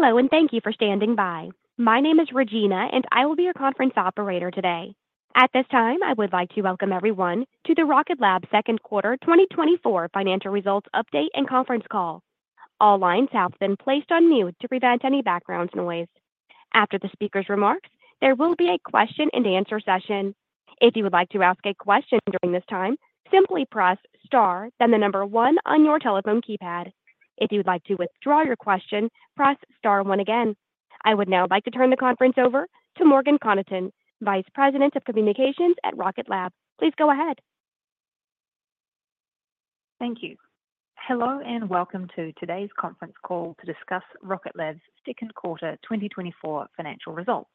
Hello, and thank you for standing by. My name is Regina, and I will be your conference operator today. At this time, I would like to welcome everyone to the Rocket Lab Second Quarter 2024 Financial Results Update and Conference Call. All lines have been placed on mute to prevent any background noise. After the speaker's remarks, there will be a question-and-answer session. If you would like to ask a question during this time, simply press Star, then the number one on your telephone keypad. If you would like to withdraw your question, press Star one again. I would now like to turn the conference over to Morgan Connaughton, Vice President of Communications at Rocket Lab. Please go ahead. Thank you. Hello, and welcome to today's conference call to discuss Rocket Lab's second quarter 2024 financial results.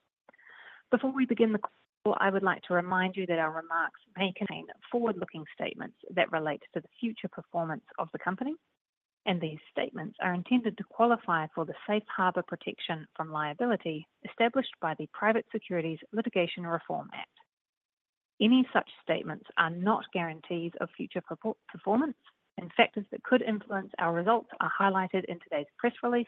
Before we begin the call, I would like to remind you that our remarks may contain forward-looking statements that relate to the future performance of the company, and these statements are intended to qualify for the safe harbor protection from liability established by the Private Securities Litigation Reform Act. Any such statements are not guarantees of future performance, and factors that could influence our results are highlighted in today's press release,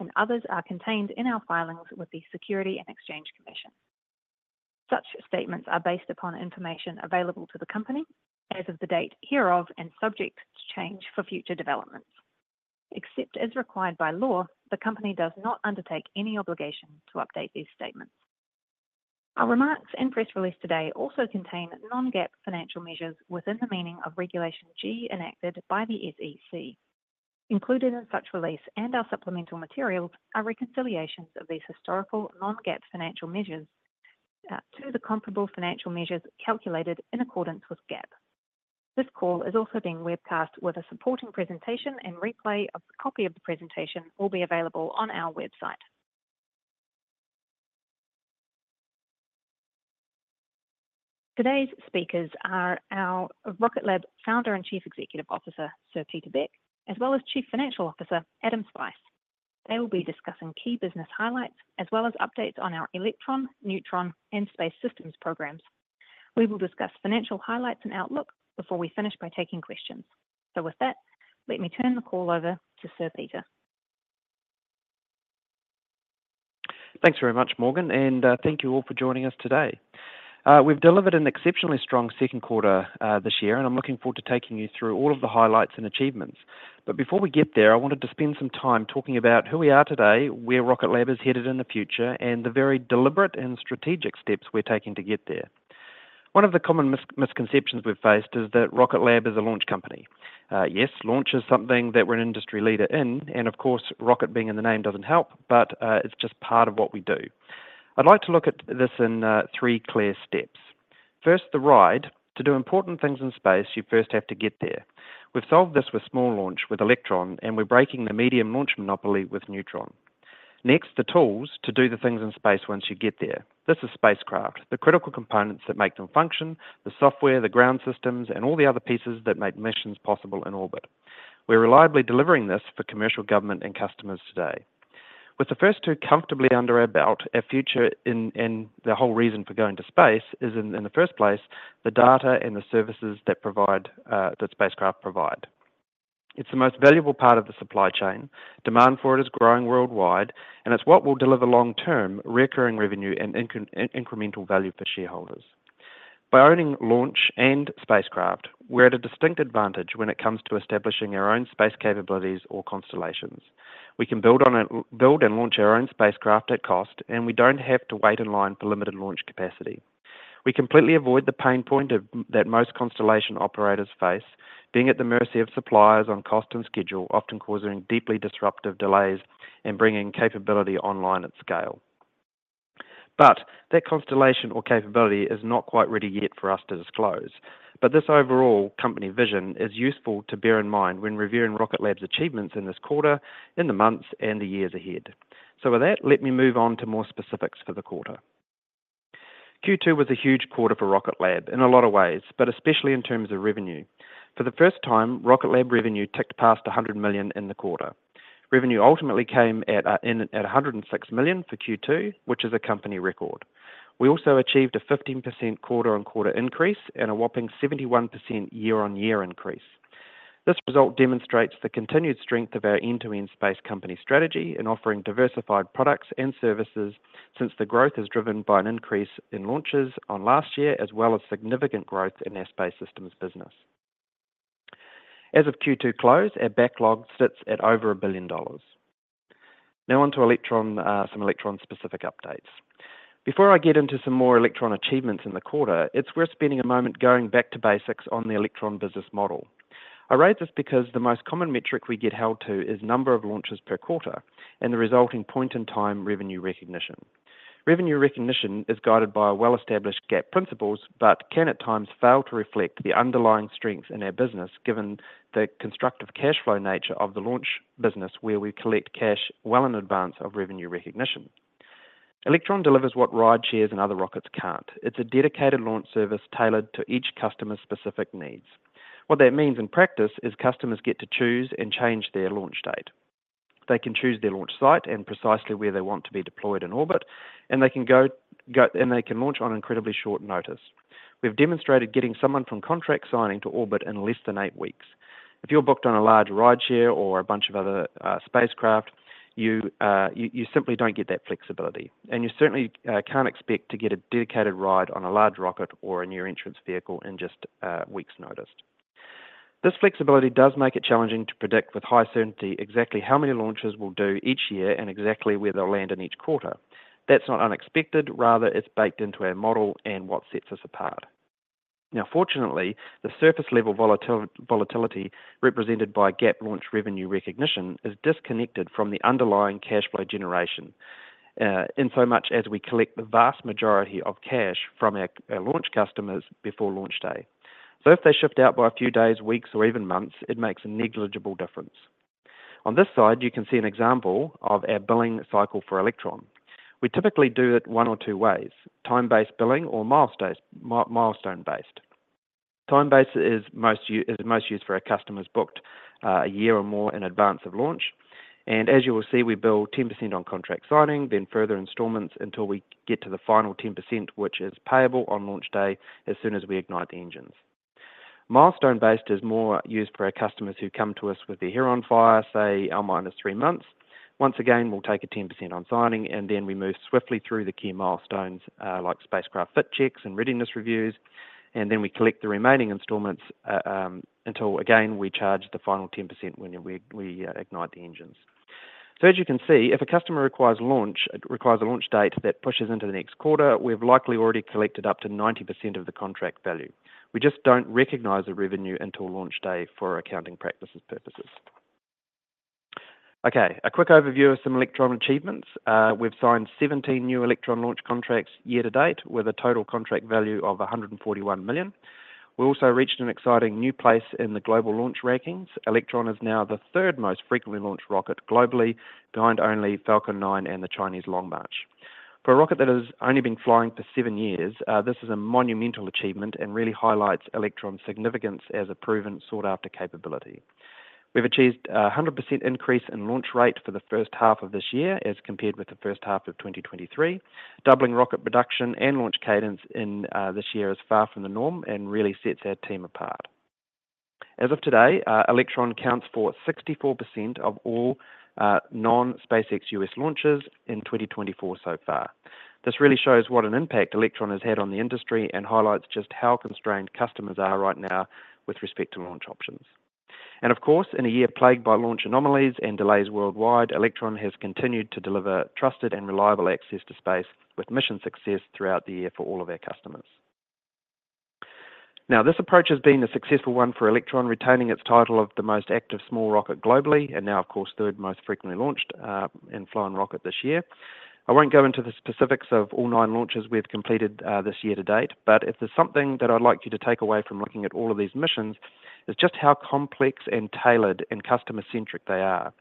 and others are contained in our filings with the Securities and Exchange Commission. Such statements are based upon information available to the company as of the date hereof and subject to change for future developments. Except as required by law, the company does not undertake any obligation to update these statements. Our remarks and press release today also contain non-GAAP financial measures within the meaning of Regulation G, enacted by the SEC. Included in such release and our supplemental materials are reconciliations of these historical non-GAAP financial measures to the comparable financial measures calculated in accordance with GAAP. This call is also being webcast with a supporting presentation, and replay of the copy of the presentation will be available on our website. Today's speakers are our Rocket Lab Founder and Chief Executive Officer, Sir Peter Beck, as well as Chief Financial Officer, Adam Spice. They will be discussing key business highlights as well as updates on our Electron, Neutron, and Space Systems programs. We will discuss financial highlights and outlook before we finish by taking questions. With that, let me turn the call over to Sir Peter. Thanks very much, Morgan, and thank you all for joining us today. We've delivered an exceptionally strong second quarter this year, and I'm looking forward to taking you through all of the highlights and achievements. But before we get there, I wanted to spend some time talking about who we are today, where Rocket Lab is headed in the future, and the very deliberate and strategic steps we're taking to get there. One of the common misconceptions we've faced is that Rocket Lab is a launch company. Yes, launch is something that we're an industry leader in, and of course, rocket being in the name doesn't help, but it's just part of what we do. I'd like to look at this in three clear steps. First, the ride. To do important things in space, you first have to get there. We've solved this with small launch with Electron, and we're breaking the medium launch monopoly with Neutron. Next, the tools to do the things in space once you get there. This is spacecraft, the critical components that make them function, the software, the ground systems, and all the other pieces that make missions possible in orbit. We're reliably delivering this for commercial, government, and customers today. With the first two comfortably under our belt, our future and the whole reason for going to space is in the first place, the data and the services that provide that spacecraft provide. It's the most valuable part of the supply chain. Demand for it is growing worldwide, and it's what will deliver long-term recurring revenue and incremental value for shareholders. By owning Launch and Spacecraft, we're at a distinct advantage when it comes to establishing our own space capabilities or constellations. We can build and launch our own spacecraft at cost, and we don't have to wait in line for limited launch capacity. We completely avoid the pain point of that most constellation operators face, being at the mercy of suppliers on cost and schedule, often causing deeply disruptive delays in bringing capability online at scale. But that constellation or capability is not quite ready yet for us to disclose. But this overall company vision is useful to bear in mind when reviewing Rocket Lab's achievements in this quarter, in the months, and the years ahead. So with that, let me move on to more specifics for the quarter. Q2 was a huge quarter for Rocket Lab in a lot of ways, but especially in terms of revenue. For the first time, Rocket Lab revenue ticked past $100 million in the quarter. Revenue ultimately came at, in at $106 million for Q2, which is a company record. We also achieved a 15% quarter-on-quarter increase and a whopping 71% year-on-year increase. This result demonstrates the continued strength of our end-to-end space company strategy in offering diversified products and services, since the growth is driven by an increase in launches on last year, as well as significant growth in our Space Systems business. As of Q2 close, our backlog sits at over $1 billion. Now on to Electron, some Electron-specific updates. Before I get into some more Electron achievements in the quarter, it's worth spending a moment going back to basics on the Electron business model. I raise this because the most common metric we get held to is number of launches per quarter and the resulting point-in-time revenue recognition. Revenue recognition is guided by well-established GAAP principles, but can at times fail to reflect the underlying strength in our business, given the constructive cash flow nature of the launch business, where we collect cash well in advance of revenue recognition. Electron delivers what rideshares and other rockets can't. It's a dedicated launch service tailored to each customer's specific needs. What that means in practice is customers get to choose and change their launch date. They can choose their launch site and precisely where they want to be deployed in orbit, and they can go, go, and they can launch on incredibly short notice. We've demonstrated getting someone from contract signing to orbit in less than eight weeks. If you're booked on a large rideshare or a bunch of other spacecraft, you simply don't get that flexibility, and you certainly can't expect to get a dedicated ride on a large rocket or a new entrant vehicle in just weeks' notice. This flexibility does make it challenging to predict with high certainty exactly how many launches we'll do each year and exactly where they'll land in each quarter. That's not unexpected, rather, it's baked into our model and what sets us apart. Now, fortunately, the surface-level volatility represented by GAAP launch revenue recognition is disconnected from the underlying cash flow generation in so much as we collect the vast majority of cash from our launch customers before launch day. So if they shift out by a few days, weeks, or even months, it makes a negligible difference. On this side, you can see an example of our billing cycle for Electron. We typically do it one or two ways: time-based billing or milestone-based. Time-based is most used for our customers booked a year or more in advance of launch, and as you will see, we bill 10% on contract signing, then further installments until we get to the final 10%, which is payable on launch day as soon as we ignite the engines. Milestone-based is more used for our customers who come to us with their hair on fire, say, L minus three months. Once again, we'll take a 10% on signing, and then we move swiftly through the key milestones, like spacecraft fit checks and readiness reviews, and then we collect the remaining installments, until, again, we charge the final 10% when we, we, ignite the engines. So as you can see, if a customer requires launch requires a launch date that pushes into the next quarter, we've likely already collected up to 90% of the contract value. We just don't recognize the revenue until launch day for accounting practices purposes. Okay, a quick overview of some Electron achievements. We've signed 17 new Electron launch contracts year to date, with a total contract value of $141 million. We also reached an exciting new place in the global launch rankings. Electron is now the third most frequently launched rocket globally, behind only Falcon 9 and the Chinese Long March. For a rocket that has only been flying for seven years, this is a monumental achievement and really highlights Electron's significance as a proven, sought-after capability. We've achieved a 100% increase in launch rate for the first half of this year as compared with the first half of 2023. Doubling rocket production and launch cadence in this year is far from the norm and really sets our team apart. As of today, Electron accounts for 64% of all non-SpaceX U.S. launches in 2024 so far. This really shows what an impact Electron has had on the industry and highlights just how constrained customers are right now with respect to launch options. Of course, in a year plagued by launch anomalies and delays worldwide, Electron has continued to deliver trusted and reliable access to space with mission success throughout the year for all of our customers. Now, this approach has been a successful one for Electron, retaining its title of the most active small rocket globally, and now, of course, third most frequently launched and flown rocket this year. I won't go into the specifics of all 9 launches we've completed this year to date, but if there's something that I'd like you to take away from looking at all of these missions, it's just how complex and tailored and customer-centric they are.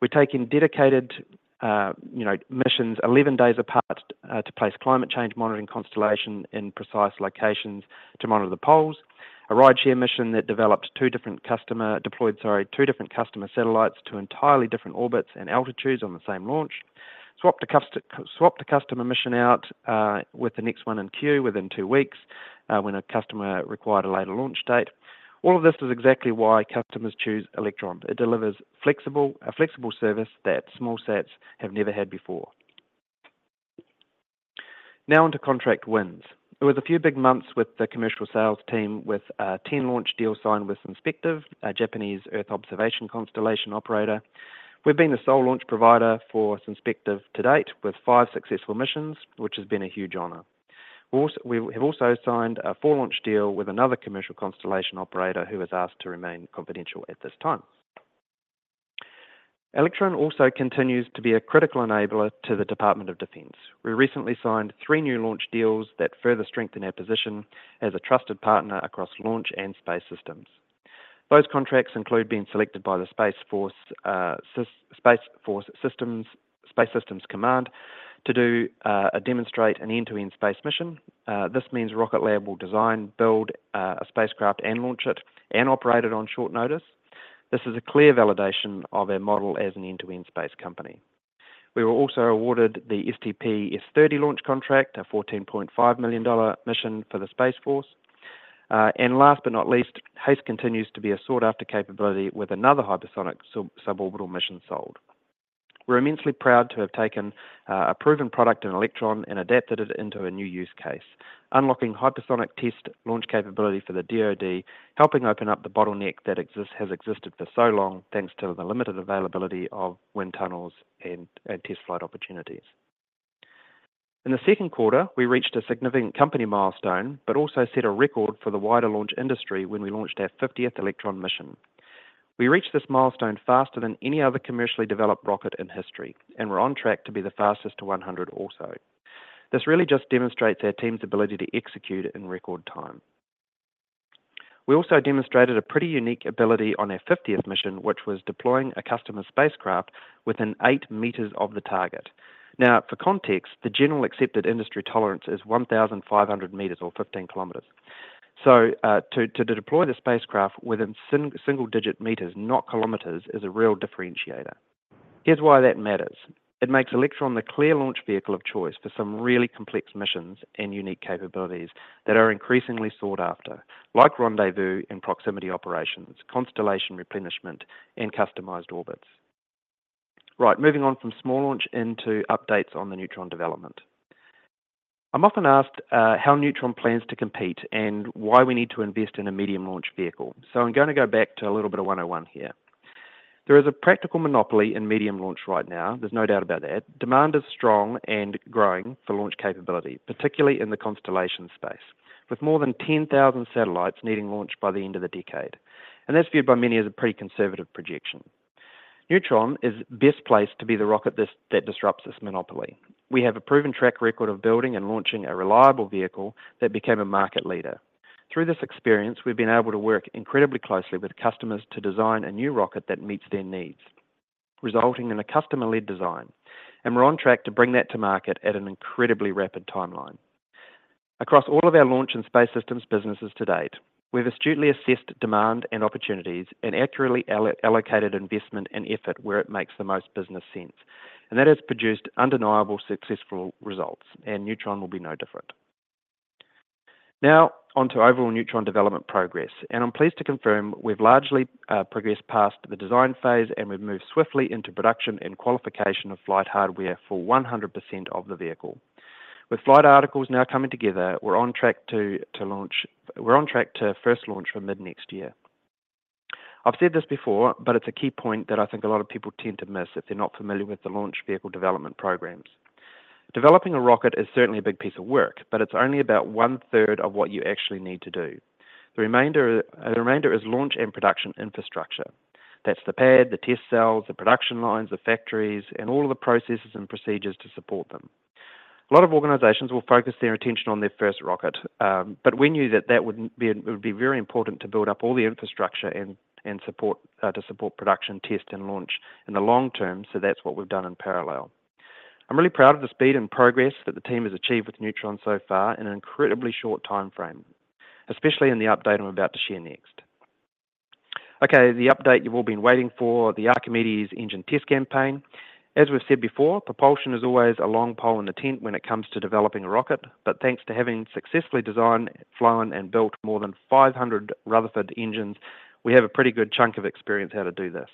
We're taking dedicated, you know, missions 11 days apart to place climate change monitoring constellation in precise locations to monitor the poles. A rideshare mission that deploys 2 different customer satellites to entirely different orbits and altitudes on the same launch. Swapped a customer mission out with the next one in queue within 2 weeks when a customer required a later launch date. All of this is exactly why customers choose Electron. It delivers a flexible service that small sats have never had before. Now on to contract wins. It was a few big months with the commercial sales team, with a 10-launch deal signed with Synspective, a Japanese earth observation constellation operator. We've been the sole launch provider for Synspective to date, with 5 successful missions, which has been a huge honor. We have also signed a 4-launch deal with another commercial constellation operator, who has asked to remain confidential at this time. Electron also continues to be a critical enabler to the Department of Defense. We recently signed three new launch deals that further strengthen our position as a trusted partner across Launch and Space Systems. Those contracts include being selected by the Space Force, Space Systems Command, to demonstrate an end-to-end space mission. This means Rocket Lab will design, build, a spacecraft and launch it and operate it on short notice. This is a clear validation of our model as an end-to-end space company. We were also awarded the STP-S30 launch contract, a $14.5 million mission for the Space Force. And last but not least, HASTE continues to be a sought-after capability with another hypersonic suborbital mission sold. We're immensely proud to have taken a proven product in Electron and adapted it into a new use case, unlocking hypersonic test launch capability for the DoD, helping open up the bottleneck that exists, has existed for so long, thanks to the limited availability of wind tunnels and test flight opportunities. In the second quarter, we reached a significant company milestone, but also set a record for the wider launch industry when we launched our fiftieth Electron mission. We reached this milestone faster than any other commercially developed rocket in history, and we're on track to be the fastest to 100 also. This really just demonstrates our team's ability to execute in record time. We also demonstrated a pretty unique ability on our fiftieth mission, which was deploying a customer's spacecraft within 8 meters of the target. Now, for context, the general accepted industry tolerance is 1,500 meters, or 15 kilometers. So, to deploy the spacecraft within single-digit meters, not kilometers, is a real differentiator. Here's why that matters. It makes Electron the clear launch vehicle of choice for some really complex missions and unique capabilities that are increasingly sought after, like rendezvous and proximity operations, constellation replenishment, and customized orbits. Right, moving on from small launch into updates on the Neutron development. I'm often asked how Neutron plans to compete and why we need to invest in a medium launch vehicle. So I'm gonna go back to a little bit of one-on-one here. There is a practical monopoly in medium launch right now, there's no doubt about that. Demand is strong and growing for launch capability, particularly in the constellation space, with more than 10,000 satellites needing launch by the end of the decade, and that's viewed by many as a pretty conservative projection. Neutron is best placed to be the rocket that disrupts this monopoly. We have a proven track record of building and launching a reliable vehicle that became a market leader. Through this experience, we've been able to work incredibly closely with customers to design a new rocket that meets their needs, resulting in a customer-led design, and we're on track to bring that to market at an incredibly rapid timeline. Across all of our Launch and Space Systems businesses to date, we've astutely assessed demand and opportunities and accurately allocated investment and effort where it makes the most business sense, and that has produced undeniable successful results, and Neutron will be no different. Now, on to overall Neutron development progress, and I'm pleased to confirm we've largely progressed past the design phase, and we've moved swiftly into production and qualification of flight hardware for 100% of the vehicle. With flight articles now coming together, we're on track to launch. We're on track to first launch for mid-next year. I've said this before, but it's a key point that I think a lot of people tend to miss if they're not familiar with the launch vehicle development programs. Developing a rocket is certainly a big piece of work, but it's only about one-third of what you actually need to do. The remainder is launch and production infrastructure. That's the pad, the test cells, the production lines, the factories, and all of the processes and procedures to support them. A lot of organizations will focus their attention on their first rocket, but we knew that it would be very important to build up all the infrastructure and support to support production, test, and launch in the long term, so that's what we've done in parallel. I'm really proud of the speed and progress that the team has achieved with Neutron so far in an incredibly short timeframe, especially in the update I'm about to share next. Okay, the update you've all been waiting for, the Archimedes engine test campaign. As we've said before, propulsion is always a long pole in the tent when it comes to developing a rocket, but thanks to having successfully designed, flown, and built more than 500 Rutherford engines, we have a pretty good chunk of experience how to do this.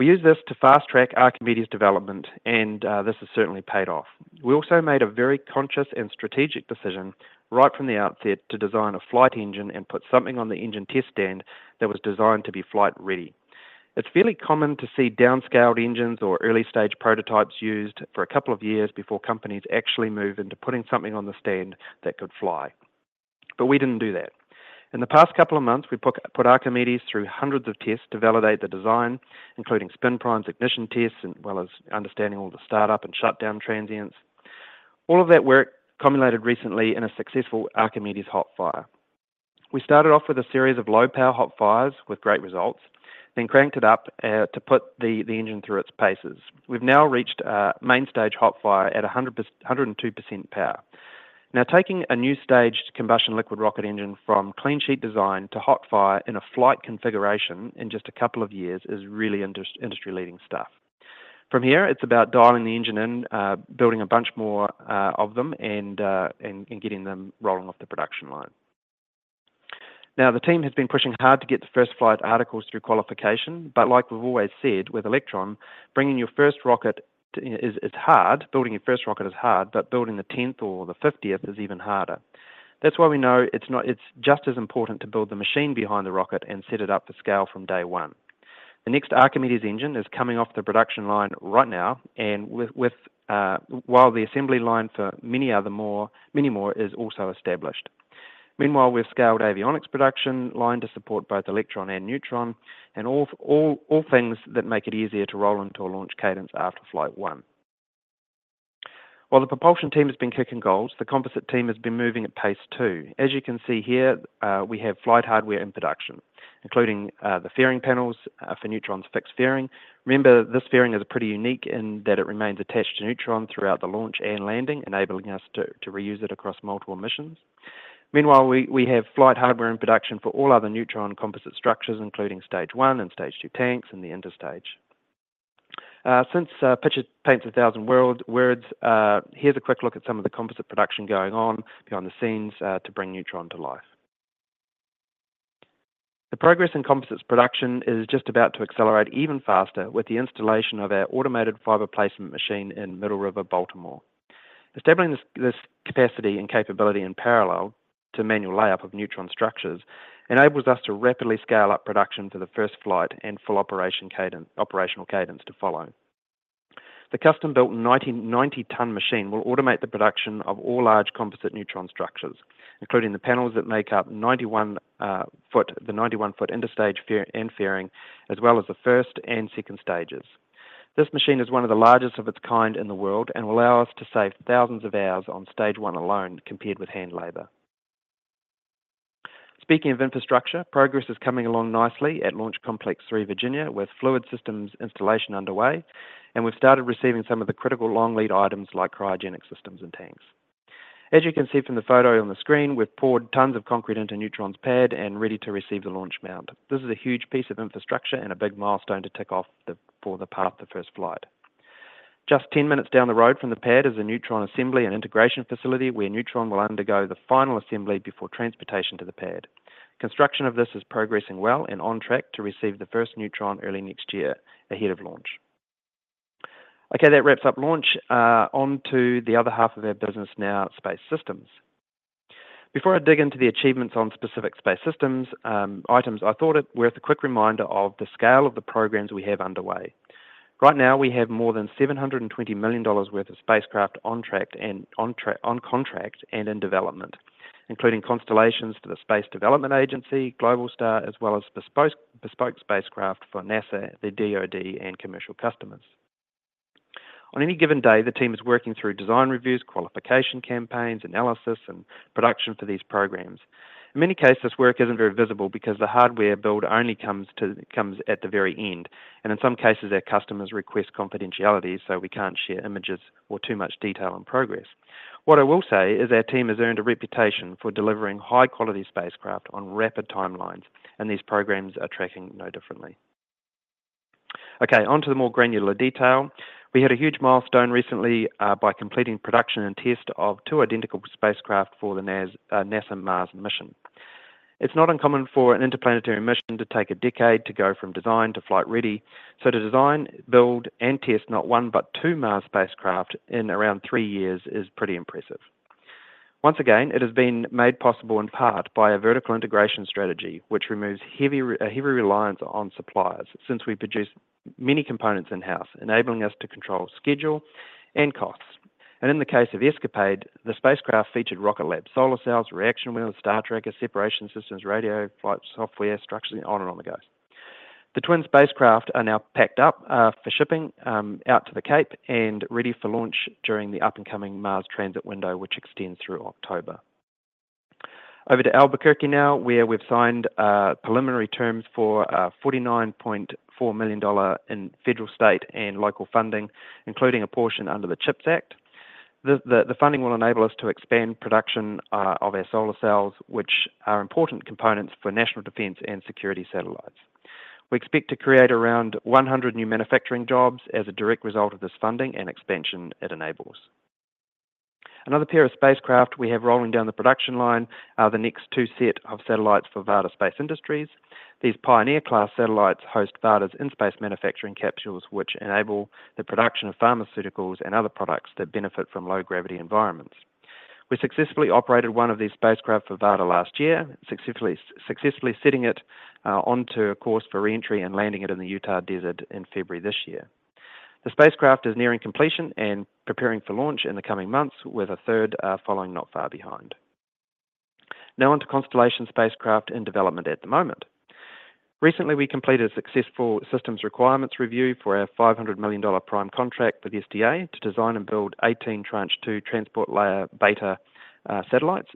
We used this to fast-track Archimedes development, and, this has certainly paid off. We also made a very conscious and strategic decision, right from the outset, to design a flight engine and put something on the engine test stand that was designed to be flight-ready. It's fairly common to see down-scaled engines or early-stage prototypes used for a couple of years before companies actually move into putting something on the stand that could fly, but we didn't do that. In the past couple of months, we put Archimedes through hundreds of tests to validate the design, including spin primes, ignition tests, as well as understanding all the startup and shutdown transients. All of that work culminated recently in a successful Archimedes hot fire. We started off with a series of low-power hot fires with great results, then cranked it up to put the engine through its paces. We've now reached main stage hot fire at 102% power. Now, taking a new staged combustion liquid rocket engine from clean sheet design to hot fire in a flight configuration in just a couple of years is really industry-leading stuff. From here, it's about dialing the engine in, building a bunch more of them, and getting them rolling off the production line. Now, the team has been pushing hard to get the first flight articles through qualification, but like we've always said, with Electron, bringing your first rocket is hard. Building your first rocket is hard, but building the 10th or the 50th is even harder. That's why we know it's just as important to build the machine behind the rocket and set it up to scale from day one. The next Archimedes engine is coming off the production line right now, and while the assembly line for many more is also established. Meanwhile, we've scaled avionics production line to support both Electron and Neutron and all things that make it easier to roll into a launch cadence after flight one. While the propulsion team has been kicking goals, the composite team has been moving at pace, too. As you can see here, we have flight hardware in production, including the fairing panels for Neutron's fixed fairing. Remember, this fairing is pretty unique in that it remains attached to Neutron throughout the launch and landing, enabling us to reuse it across multiple missions. Meanwhile, we have flight hardware in production for all other Neutron composite structures, including stage one and stage two tanks and the interstage. Since a picture paints a thousand words, here's a quick look at some of the composite production going on behind the scenes to bring Neutron to life. The progress in composites production is just about to accelerate even faster with the installation of our automated fiber placement machine in Middle River, Baltimore. Establishing this, this capacity and capability in parallel to manual layup of Neutron structures enables us to rapidly scale up production for the first flight and full operational cadence to follow. The custom-built 90-ton machine will automate the production of all large composite Neutron structures, including the panels that make up the 91-foot interstage fairing, as well as the first and second stages. This machine is one of the largest of its kind in the world and will allow us to save thousands of hours on stage one alone, compared with hand labor. Speaking of infrastructure, progress is coming along nicely at Launch Complex 3, Virginia, with fluid systems installation underway, and we've started receiving some of the critical long-lead items like cryogenic systems and tanks. As you can see from the photo on the screen, we've poured tons of concrete into Neutron's pad and ready to receive the launch mount. This is a huge piece of infrastructure and a big milestone to tick off the, for the path to first flight. Just 10 minutes down the road from the pad is a Neutron assembly and integration facility, where Neutron will undergo the final assembly before transportation to the pad. Construction of this is progressing well and on track to receive the first Neutron early next year, ahead of launch. Okay, that wraps up launch onto the other half of our business now, Space Systems. Before I dig into the achievements on specific Space Systems, items, I thought it worth a quick reminder of the scale of the programs we have underway. Right now, we have more than $720 million worth of spacecraft on contract and in development, including constellations to the Space Development Agency, Globalstar, as well as bespoke spacecraft for NASA, the DoD, and commercial customers. On any given day, the team is working through design reviews, qualification campaigns, analysis, and production for these programs. In many cases, this work isn't very visible because the hardware build only comes at the very end, and in some cases, our customers request confidentiality, so we can't share images or too much detail on progress. What I will say is our team has earned a reputation for delivering high-quality spacecraft on rapid timelines, and these programs are tracking no differently. Okay, onto the more granular detail. We had a huge milestone recently by completing production and test of two identical spacecraft for the NASA Mars mission. It's not uncommon for an interplanetary mission to take a decade to go from design to flight-ready, so to design, build, and test not one, but two Mars spacecraft in around three years, is pretty impressive. Once again, it has been made possible in part by a vertical integration strategy, which removes a heavy reliance on suppliers since we produce many components in-house, enabling us to control schedule and costs. In the case of ESCAPADE, the spacecraft featured Rocket Lab solar cells, reaction wheels, star tracker, separation systems, radio, flight software, structures, and on and on it goes. The twin spacecraft are now packed up for shipping out to the Cape and ready for launch during the upcoming Mars transit window, which extends through October. Over to Albuquerque now, where we've signed preliminary terms for $49.4 million in federal, state, and local funding, including a portion under the CHIPS Act. The funding will enable us to expand production of our solar cells, which are important components for national defense and security satellites. We expect to create around 100 new manufacturing jobs as a direct result of this funding and expansion it enables. Another pair of spacecraft we have rolling down the production line are the next two set of satellites for Varda Space Industries. These Pioneer-class satellites host Varda's in-space manufacturing capsules, which enable the production of pharmaceuticals and other products that benefit from low-gravity environments. We successfully operated one of these spacecraft for Varda last year, successfully, successfully setting it onto a course for re-entry and landing it in the Utah desert in February this year. The spacecraft is nearing completion and preparing for launch in the coming months, with a third following not far behind. Now on to constellation spacecraft and development at the moment. Recently, we completed a successful systems requirements review for our $500 million prime contract with the SDA to design and build 18 Tranche 2 Transport Layer Beta satellites.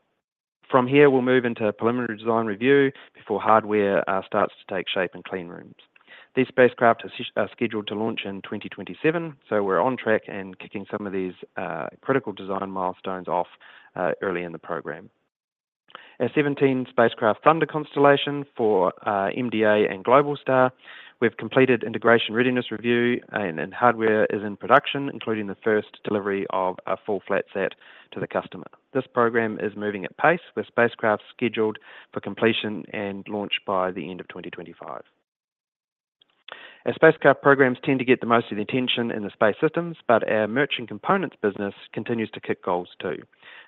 From here, we'll move into a preliminary design review before hardware starts to take shape in clean rooms. These spacecraft are scheduled to launch in 2027, so we're on track and kicking some of these critical design milestones off early in the program. Our 17 spacecraft funded constellation for MDA and Globalstar, we've completed integration readiness review, and hardware is in production, including the first delivery of a full flat set to the customer. This program is moving at pace, with spacecraft scheduled for completion and launch by the end of 2025. Our spacecraft programs tend to get the most of the attention in the Space Systems, but our merchant components business continues to kick goals, too,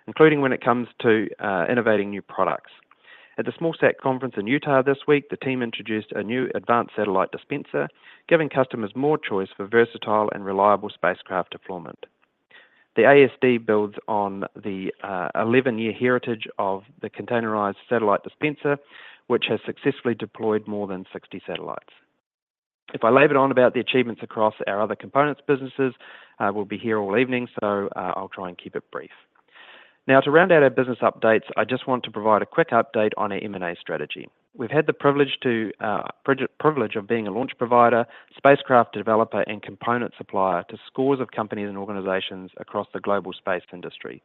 including when it comes to innovating new products. At the SmallSat Conference in Utah this week, the team introduced a new Advanced Satellite Dispenser, giving customers more choice for versatile and reliable spacecraft deployment. The ASD builds on the 11-year heritage of the Canisterized Satellite Dispenser, which has successfully deployed more than 60 satellites. If I labored on about the achievements across our other components businesses, we'll be here all evening, so, I'll try and keep it brief. Now, to round out our business updates, I just want to provide a quick update on our M&A strategy. We've had the privilege of being a launch provider, spacecraft developer, and component supplier to scores of companies and organizations across the global space industry.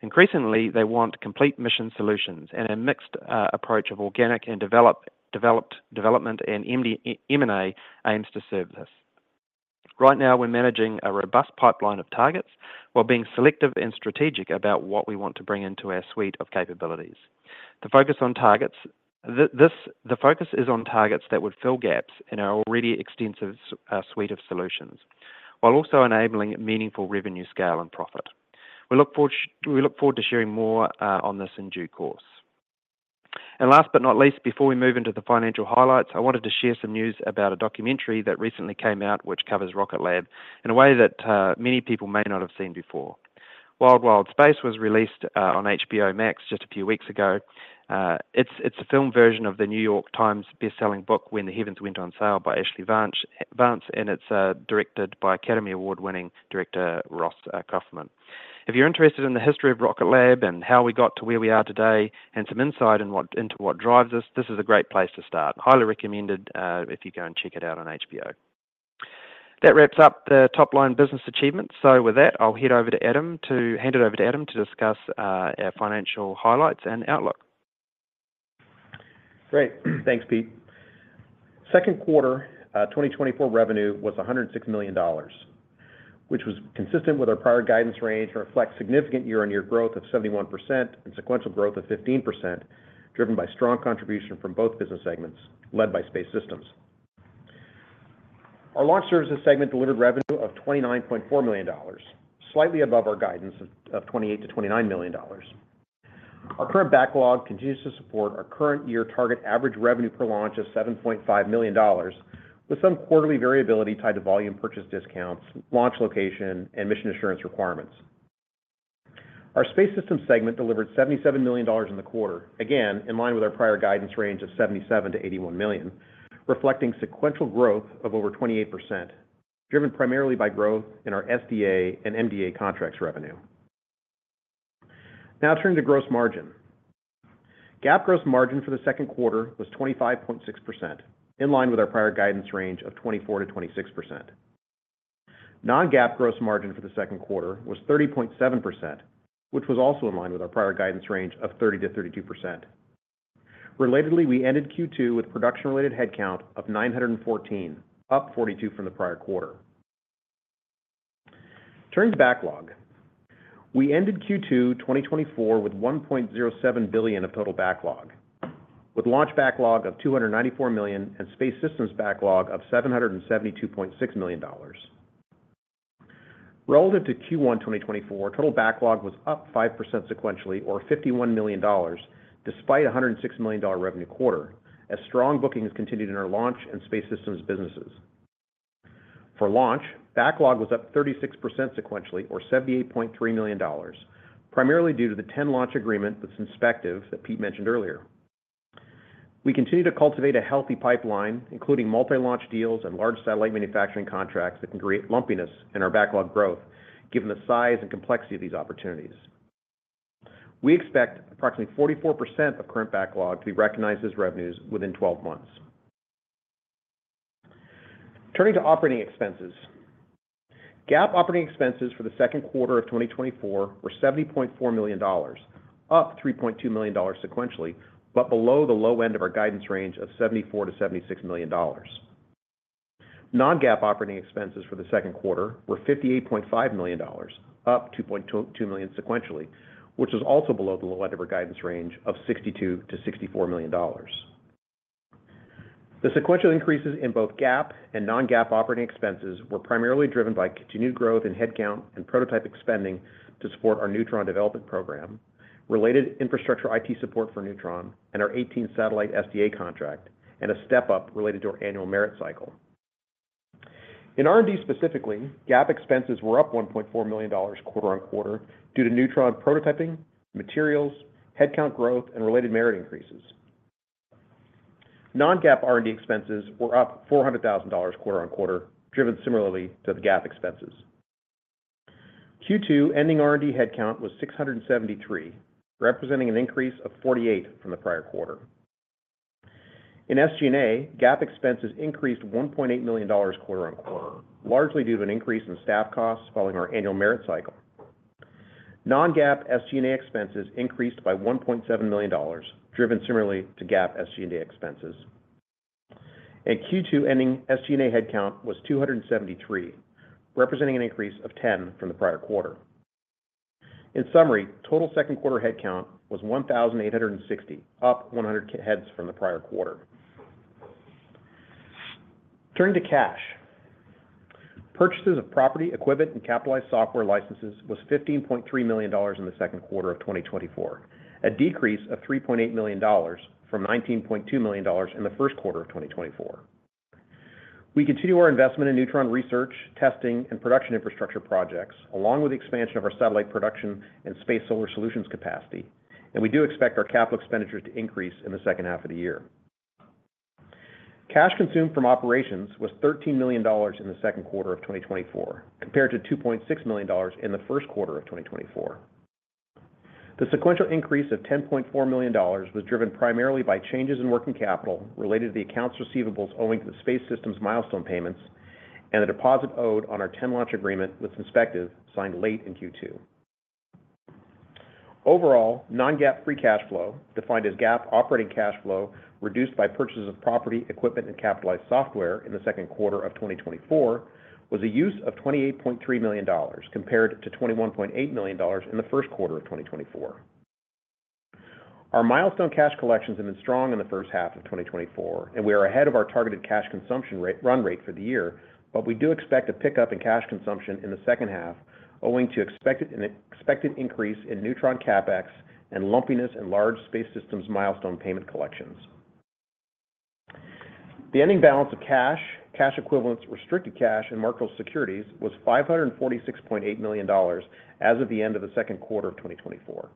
Increasingly, they want complete mission solutions and a mixed approach of organic and development and M&A aims to serve this. Right now, we're managing a robust pipeline of targets while being selective and strategic about what we want to bring into our suite of capabilities. The focus on targets, this, the focus is on targets that would fill gaps in our already extensive suite of solutions, while also enabling meaningful revenue, scale, and profit. We look forward, we look forward to sharing more on this in due course. And last but not least, before we move into the financial highlights, I wanted to share some news about a documentary that recently came out, which covers Rocket Lab in a way that many people may not have seen before. Wild Wild Space was released on HBO Max just a few weeks ago. It's a film version of the New York Times bestselling book, When the Heavens Went on Sale by Ashlee Vance, Vance, and it's directed by Academy Award-winning director Ross Kauffman. If you're interested in the history of Rocket Lab and how we got to where we are today, and some insight into what drives us, this is a great place to start. Highly recommended, if you go and check it out on HBO. That wraps up the top-line business achievements. So with that, I'll head over to Adam to hand it over to Adam to discuss our financial highlights and outlook. Great. Thanks, Pete. Second quarter 2024 revenue was $106 million, which was consistent with our prior guidance range and reflects significant year-on-year growth of 71% and sequential growth of 15%, driven by strong contribution from both business segments, led by Space Systems. Our Launch Services segment delivered revenue of $29.4 million, slightly above our guidance of $28-$29 million. Our current backlog continues to support our current year target average revenue per launch of $7.5 million, with some quarterly variability tied to volume purchase discounts, launch location, and mission assurance requirements. Our Space Systems segment delivered $77 million in the quarter, again, in line with our prior guidance range of $77-$81 million, reflecting sequential growth of over 28%, driven primarily by growth in our SDA and MDA contracts revenue. Now turning to gross margin. GAAP gross margin for the second quarter was 25.6%, in line with our prior guidance range of 24%-26%. Non-GAAP gross margin for the second quarter was 30.7%, which was also in line with our prior guidance range of 30%-32%. Relatedly, we ended Q2 with production-related headcount of 914, up 42 from the prior quarter. Turning to backlog. We ended Q2 2024 with $1.07 billion of total backlog, with launch backlog of $294 million and Space Systems backlog of $772.6 million. Relative to Q1 2024, total backlog was up 5% sequentially or $51 million, despite a $106 million revenue quarter, as strong bookings continued in our Launch and Space Systems businesses. For launch, backlog was up 36% sequentially or $78.3 million, primarily due to the 10-launch agreement with Synspective that Pete mentioned earlier. We continue to cultivate a healthy pipeline, including multi-launch deals and large satellite manufacturing contracts that can create lumpiness in our backlog growth, given the size and complexity of these opportunities. We expect approximately 44% of current backlog to be recognized as revenues within 12 months. Turning to operating expenses. GAAP operating expenses for the second quarter of 2024 were $70.4 million, up $3.2 million sequentially, but below the low end of our guidance range of $74 million-$76 million. Non-GAAP operating expenses for the second quarter were $58.5 million, up $2.2 million sequentially, which is also below the low end of our guidance range of $62 million-$64 million. The sequential increases in both GAAP and non-GAAP operating expenses were primarily driven by continued growth in headcount and prototyping spending to support our Neutron development program, related infrastructure IT support for Neutron, and our 18-satellite SDA contract, and a step-up related to our annual merit cycle. In R&D, specifically, GAAP expenses were up $1.4 million quarter on quarter due to Neutron prototyping, materials, headcount growth, and related merit increases. Non-GAAP R&D expenses were up $400,000 quarter on quarter, driven similarly to the GAAP expenses. Q2 ending R&D headcount was 673, representing an increase of 48 from the prior quarter. In SG&A, GAAP expenses increased $1.8 million quarter-over-quarter, largely due to an increase in staff costs following our annual merit cycle. Non-GAAP SG&A expenses increased by $1.7 million, driven similarly to GAAP SG&A expenses. Q2 ending SG&A headcount was 273, representing an increase of 10 from the prior quarter. In summary, total second quarter headcount was 1,860, up 100 heads from the prior quarter. Turning to cash. Purchases of property, equipment, and capitalized software licenses was $15.3 million in the second quarter of 2024, a decrease of $3.8 million from $19.2 million in the first quarter of 2024. We continue our investment in Neutron research, testing, and production infrastructure projects, along with the expansion of our satellite production and space solar solutions capacity, and we do expect our capital expenditures to increase in the second half of the year. Cash consumed from operations was $13 million in the second quarter of 2024, compared to $2.6 million in the first quarter of 2024. The sequential increase of $10.4 million was driven primarily by changes in working capital related to the accounts receivables owing to the Space Systems milestone payments and the deposit owed on our 10-launch agreement with Synspective, signed late in Q2. Overall, non-GAAP free cash flow, defined as GAAP operating cash flow, reduced by purchases of property, equipment, and capitalized software in the second quarter of 2024, was a use of $28.3 million, compared to $21.8 million in the first quarter of 2024. Our milestone cash collections have been strong in the first half of 2024, and we are ahead of our targeted cash consumption run rate for the year, but we do expect a pickup in cash consumption in the second half, owing to expected increase in Neutron CapEx and lumpiness in large Space Systems milestone payment collections. The ending balance of cash, cash equivalents, restricted cash, and marketable securities was $546.8 million as of the end of the second quarter of 2024.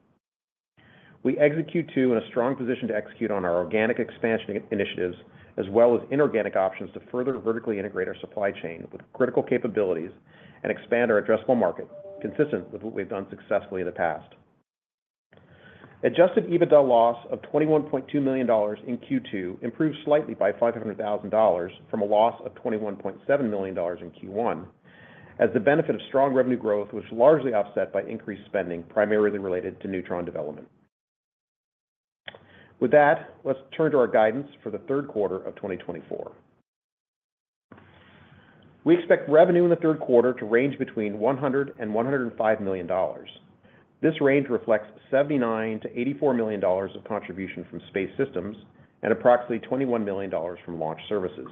We are in a strong position to execute on our organic expansion initiatives, as well as inorganic options to further vertically integrate our supply chain with critical capabilities and expand our addressable market, consistent with what we've done successfully in the past. Adjusted EBITDA loss of $21.2 million in Q2 improved slightly by $500,000 from a loss of $21.7 million in Q1, as the benefit of strong revenue growth was largely offset by increased spending, primarily related to Neutron development. With that, let's turn to our guidance for the third quarter of 2024. We expect revenue in the third quarter to range between $100 million and $105 million. This range reflects $79 million-$84 million of contribution from Space Systems and approximately $21 million from Launch Services.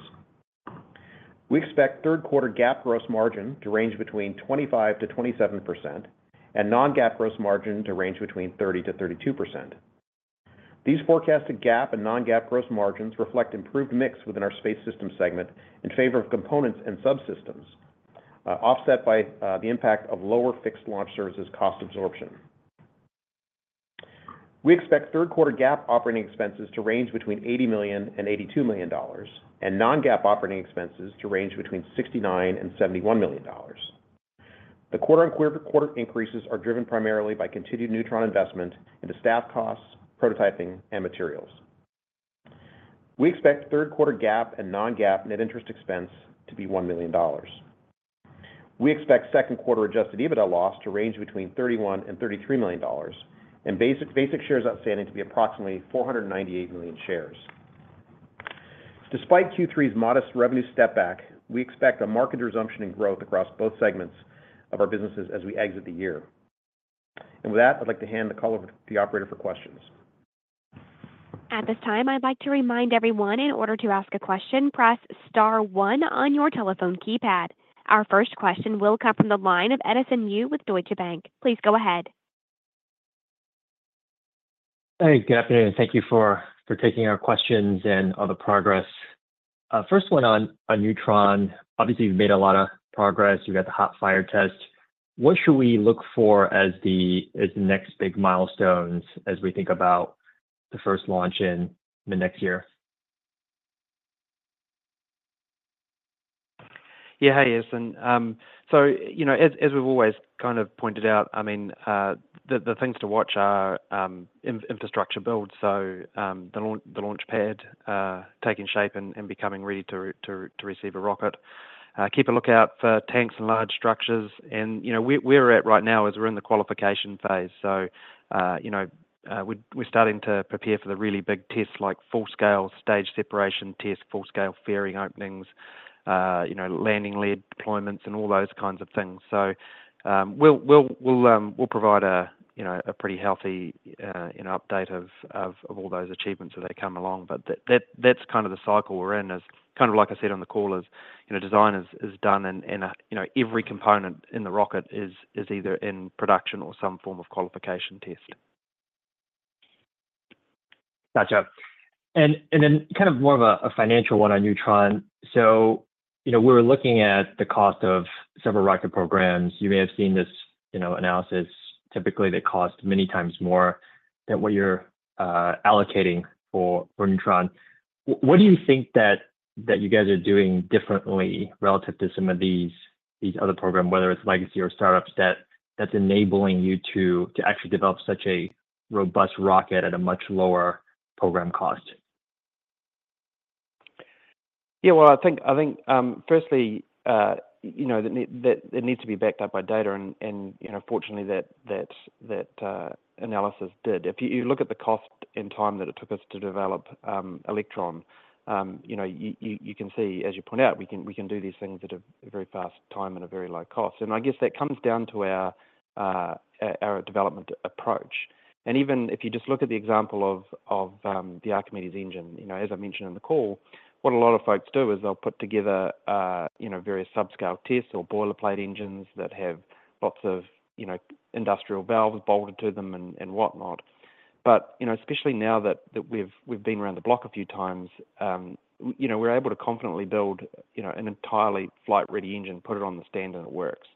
We expect third quarter GAAP gross margin to range between 25%-27% and non-GAAP gross margin to range between 30%-32%. These forecasted GAAP and non-GAAP gross margins reflect improved mix within our Space Systems segment in favor of components and subsystems, offset by the impact of lower fixed launch services cost absorption. We expect third quarter GAAP operating expenses to range between $80 million and $82 million, and non-GAAP operating expenses to range between $69 million and $71 million. The quarter-on-quarter increases are driven primarily by continued Neutron investment into staff costs, prototyping, and materials. We expect third quarter GAAP and non-GAAP net interest expense to be $1 million. We expect second quarter adjusted EBITDA loss to range between $31 million and $33 million, and basic shares outstanding to be approximately 498 million shares. Despite Q3's modest revenue step back, we expect a market resumption in growth across both segments of our businesses as we exit the year. With that, I'd like to hand the call over to the operator for questions. At this time, I'd like to remind everyone, in order to ask a question, press star one on your telephone keypad. Our first question will come from the line of Edison Yu with Deutsche Bank. Please go ahead. Hey, good afternoon, and thank you for taking our questions and all the progress. First one on Neutron. Obviously, you've made a lot of progress. You got the hot fire test. What should we look for as the next big milestones as we think about the first launch in the next year? Yeah. Hey, Edison. So, you know, as we've always kind of pointed out, I mean, the things to watch are infrastructure build. So, the launch, the launch pad taking shape and becoming ready to receive a rocket. Keep a lookout for tanks and large structures. And, you know, where we're at right now is we're in the qualification phase. So, you know, we're starting to prepare for the really big tests, like full-scale stage separation test, full-scale fairing openings, you know, landing leg deployments, and all those kinds of things. So, we'll provide a, you know, a pretty healthy, you know, update of all those achievements as they come along. But that's kind of the cycle we're in, kind of like I said on the call, you know, design is done and, you know, every component in the rocket is either in production or some form of qualification test. Gotcha. And then kind of more of a financial one on Neutron. So, you know, we're looking at the cost of several rocket programs. You may have seen this, you know, analysis. Typically, they cost many times more than what you're allocating for Neutron. What do you think that you guys are doing differently relative to some of these other program, whether it's legacy or startups, that's enabling you to actually develop such a robust rocket at a much lower program cost? Yeah, well, I think—I think, firstly, you know, that need, that needs to be backed up by data and, you know, fortunately, that analysis did. If you look at the cost and time that it took us to develop Electron, you know, you can see, as you point out, we can do these things at a very fast time and a very low cost. And I guess that comes down to our development approach. And even if you just look at the example of the Archimedes engine, you know, as I mentioned in the call, what a lot of folks do is they'll put together, you know, various subscale tests or boilerplate engines that have lots of industrial valves bolted to them and whatnot. But, you know, especially now that we've been around the block a few times, you know, we're able to confidently build, you know, an entirely flight-ready engine, put it on the stand, and it works.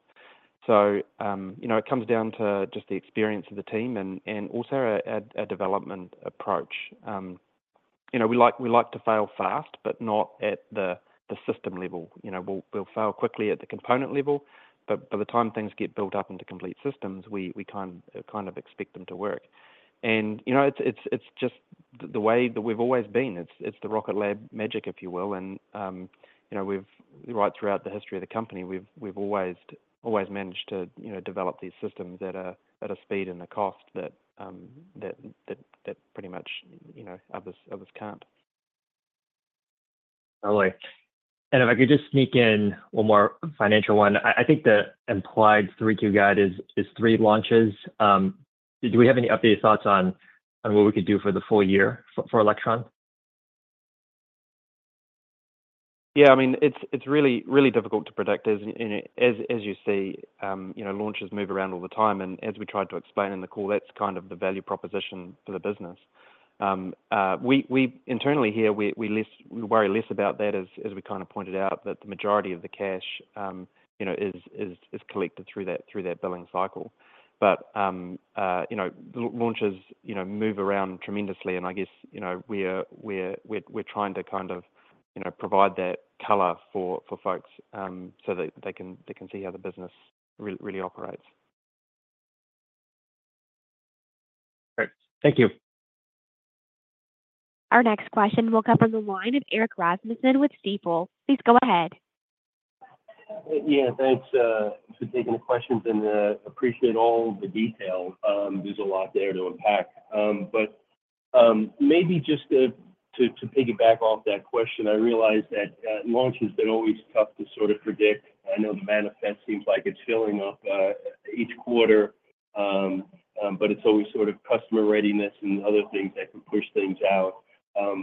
So, you know, it comes down to just the experience of the team and also a development approach. You know, we like to fail fast, but not at the system level. You know, we'll fail quickly at the component level, but by the time things get built up into complete systems, we kind of expect them to work. And, you know, it's just the way that we've always been. It's the Rocket Lab magic, if you will. You know, we've, right, throughout the history of the company, we've always managed to, you know, develop these systems at a speed and a cost that pretty much, you know, others can't. Totally. And if I could just sneak in one more financial one. I think the implied 3Q guide is three launches. Do we have any updated thoughts on what we could do for the full year for Electron? Yeah, I mean, it's really, really difficult to predict as, and as you see, you know, launches move around all the time. And as we tried to explain in the call, that's kind of the value proposition for the business. Internally here, we worry less about that as we kind of pointed out, that the majority of the cash, you know, is collected through that billing cycle. But you know, launches move around tremendously, and I guess, you know, we're trying to kind of, you know, provide that color for folks, so that they can see how the business really, really operates. Thank you. Our next question will come from the line of Erik Rasmussen with Stifel. Please go ahead. Yeah, thanks for taking the questions, and appreciate all the detail. There's a lot there to unpack. But maybe just to piggyback off that question, I realize that launch has been always tough to sort of predict. I know the manifest seems like it's filling up each quarter, but it's always sort of customer readiness and other things that can push things out.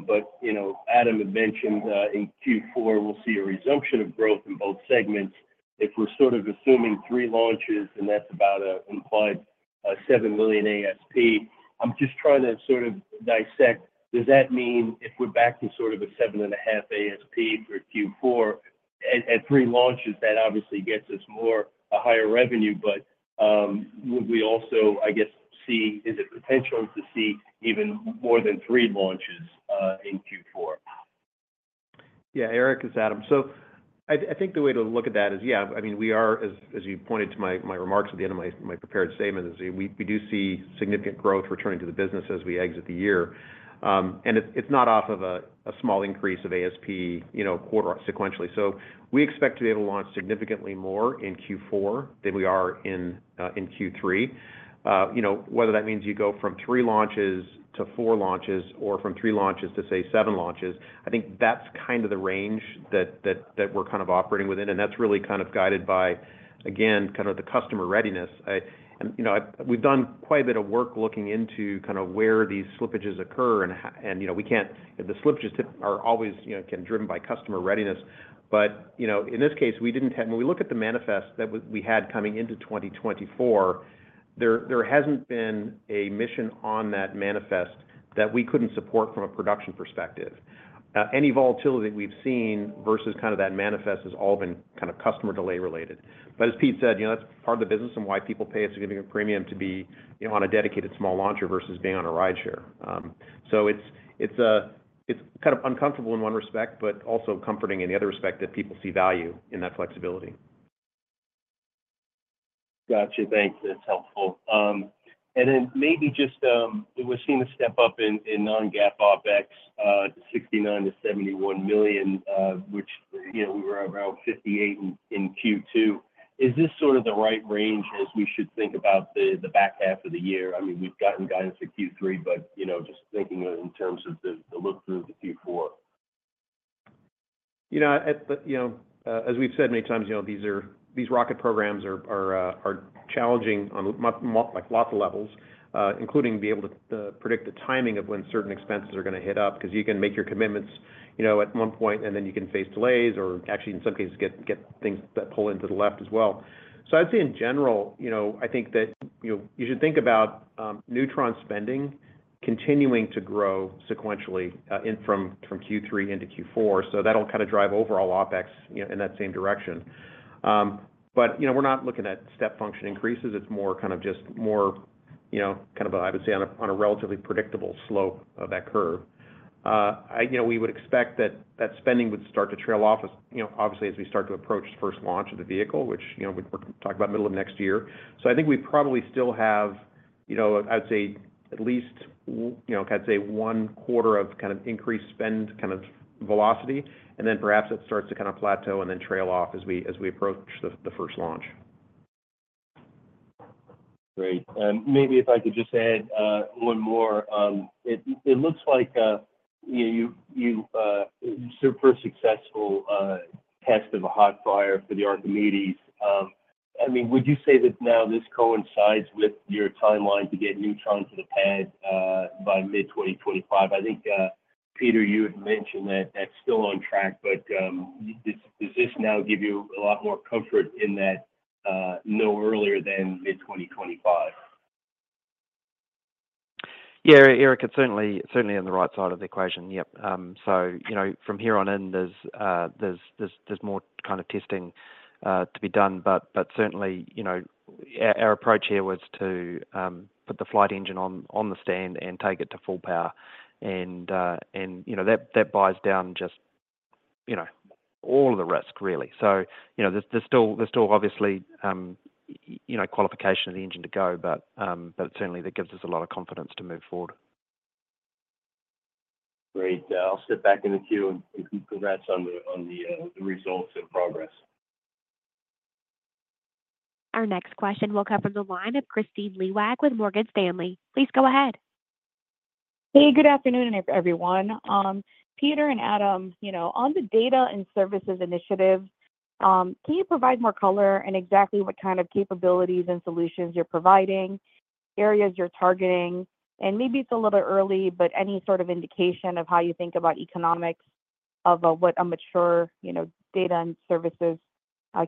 But you know, Adam had mentioned in Q4, we'll see a resumption of growth in both segments. If we're sort of assuming three launches, and that's about an implied $7 million ASP. I'm just trying to sort of dissect, does that mean if we're back to sort of a 7.5 ASP for Q4 at three launches, that obviously gets us to a higher revenue, but would we also, I guess, see, is it potential to see even more than 3 launches in Q4? Yeah, Eric, it's Adam. So I think the way to look at that is, yeah, I mean, we are, as you pointed to my remarks at the end of my prepared statement, is we do see significant growth returning to the business as we exit the year. And it's not off of a small increase of ASP, you know, quarter sequentially. So we expect to be able to launch significantly more in Q4 than we are in Q3. You know, whether that means you go from 3 launches to 4 launches, or from 3 launches to, say, 7 launches, I think that's kind of the range that we're kind of operating within, and that's really kind of guided by, again, kind of the customer readiness. And, you know, we've done quite a bit of work looking into kind of where these slippages occur and, you know, we can't. The slippages are always, you know, kind of driven by customer readiness. But, you know, in this case, we didn't have. When we look at the manifest that we had coming into 2024, there hasn't been a mission on that manifest that we couldn't support from a production perspective. Any volatility we've seen versus kind of that manifest has all been kind of customer delay related. But as Pete said, you know, that's part of the business and why people pay us a premium to be, you know, on a dedicated small launcher versus being on a rideshare. So it's kind of uncomfortable in one respect, but also comforting in the other respect that people see value in that flexibility. Got you. Thanks. That's helpful. And then maybe just, we've seen a step up in, in non-GAAP OpEx, $69 million-$71 million, which, you know, we were around $58 million in, in Q2. Is this sort of the right range as we should think about the, the back half of the year? I mean, we've gotten guidance for Q3, but, you know, just thinking in terms of the, the look through to Q4. You know, as we've said many times, you know, these rocket programs are challenging on many levels, including being able to predict the timing of when certain expenses are gonna hit up. Because you can make your commitments, you know, at one point, and then you can face delays or actually in some cases, get things that pull into the left as well. So I'd say in general, you know, I think that, you know, you should think about Neutron spending continuing to grow sequentially from Q3 into Q4. So that'll kind of drive overall OpEx, you know, in that same direction. But, you know, we're not looking at step function increases. It's more kind of just more, you know, kind of, I would say, on a relatively predictable slope of that curve. You know, we would expect that spending would start to trail off as, you know, obviously as we start to approach first launch of the vehicle, which, you know, we're talking about middle of next year. So I think we probably still have, you know, I'd say at least one quarter of kind of increased spend kind of velocity, and then perhaps it starts to kind of plateau and then trail off as we approach the first launch. Great. Maybe if I could just add one more. It looks like a super successful test of a hot fire for the Archimedes. I mean, would you say that now this coincides with your timeline to get Neutron to the pad by mid-2025? I think, Peter, you had mentioned that that's still on track, but does this now give you a lot more comfort in that no earlier than mid-2025? Yeah, Erik, it's certainly, certainly on the right side of the equation. Yep. So you know, from here on in, there's more kind of testing to be done, but certainly, you know, our approach here was to put the flight engine on the stand and take it to full power, and you know, that buys down just you know, all the risk, really. So, you know, there's still obviously you know, qualification of the engine to go, but certainly that gives us a lot of confidence to move forward. Great. I'll step back in the queue, and congrats on the results and progress. Our next question will come from the line of Kristine Liwag with Morgan Stanley. Please go ahead. Hey, good afternoon, everyone. Peter and Adam, you know, on the data and services initiative, can you provide more color on exactly what kind of capabilities and solutions you're providing, areas you're targeting? And maybe it's a little early, but any sort of indication of how you think about economics of what a mature, you know, data and services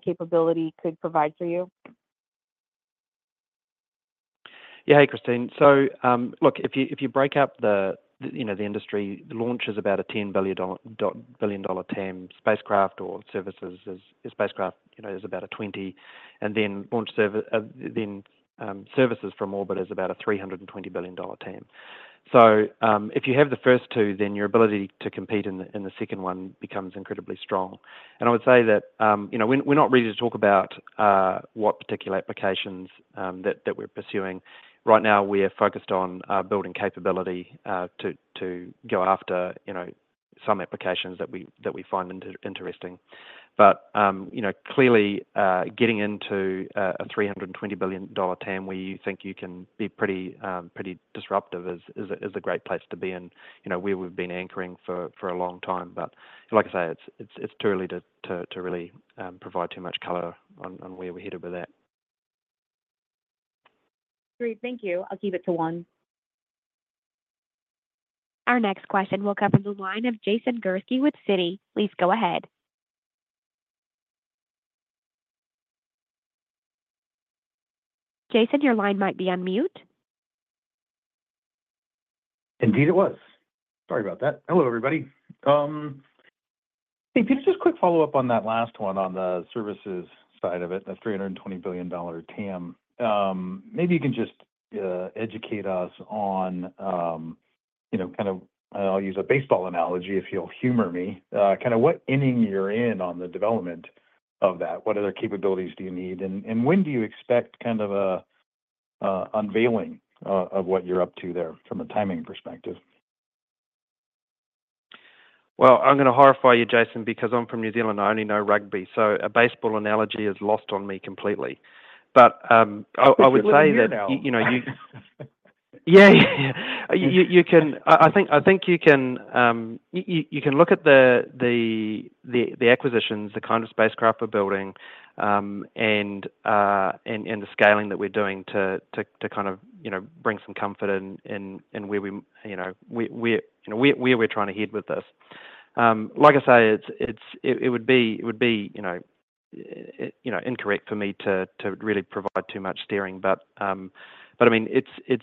capability could provide for you? Yeah. Hey, Kristine. So, look, if you, if you break up the, you know, the industry, the launch is about a $10 billion dollar TAM. Spacecraft or services is, spacecraft, you know, is about a $20 billion, and then launch services from orbit is about a $320 billion dollar TAM. So, if you have the first two, then your ability to compete in the, in the second one becomes incredibly strong. And I would say that, you know, we're, we're not ready to talk about, what particular applications, that, that we're pursuing. Right now, we are focused on, building capability, to, to go after, you know, some applications that we, that we find interesting. But, you know, clearly, getting into a $320 billion TAM, where you think you can be pretty, pretty disruptive is a great place to be, and, you know, where we've been anchoring for a long time. But like I say, it's too early to really provide too much color on where we're headed with that. Great, thank you. I'll keep it to one. Our next question will come from the line of Jason Gursky with Citi. Please go ahead. Jason, your line might be on mute. Indeed, it was. Sorry about that. Hello, everybody. Hey, Peter, just a quick follow-up on that last one, on the services side of it, that $320 billion TAM. Maybe you can just educate us on, you know, kind of, I'll use a baseball analogy, if you'll humor me, kinda what inning you're in on the development of that? What other capabilities do you need, and when do you expect kind of a unveiling of what you're up to there from a timing perspective? Well, I'm gonna horrify you, Jason, because I'm from New Zealand, I only know rugby, so a baseball analogy is lost on me completely. But, I would say that- You live here now. You know, yeah, you can. I think you can look at the acquisitions, the kind of spacecraft we're building, and the scaling that we're doing to kind of, you know, bring some comfort in where we, you know, we're trying to head with this. Like I say, it would be, you know, incorrect for me to really provide too much steering. But, but I mean, it's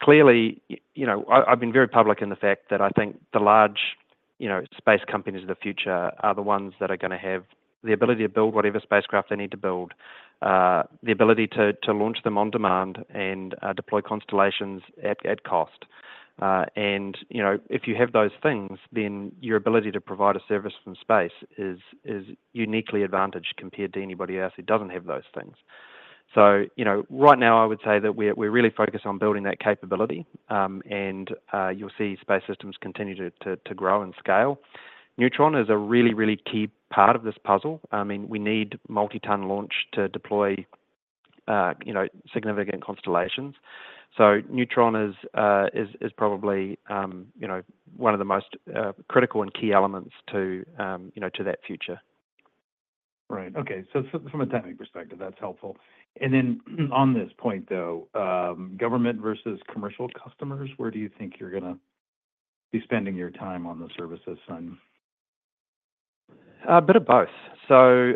clearly, you know, I've been very public in the fact that I think the large, you know, space companies of the future are the ones that are gonna have the ability to build whatever spacecraft they need to build, the ability to launch them on demand and deploy constellations at cost. And, you know, if you have those things, then your ability to provide a service from space is uniquely advantaged compared to anybody else who doesn't have those things. So, you know, right now, I would say that we're really focused on building that capability, and you'll see Space Systems continue to grow and scale. Neutron is a really, really key part of this puzzle. I mean, we need multi-ton launch to deploy, you know, significant constellations. So Neutron is probably, you know, one of the most critical and key elements to, you know, to that future. Right. Okay. So from a timing perspective, that's helpful. And then on this point, though, government versus commercial customers, where do you think you're gonna be spending your time on the services side? A bit of both. So,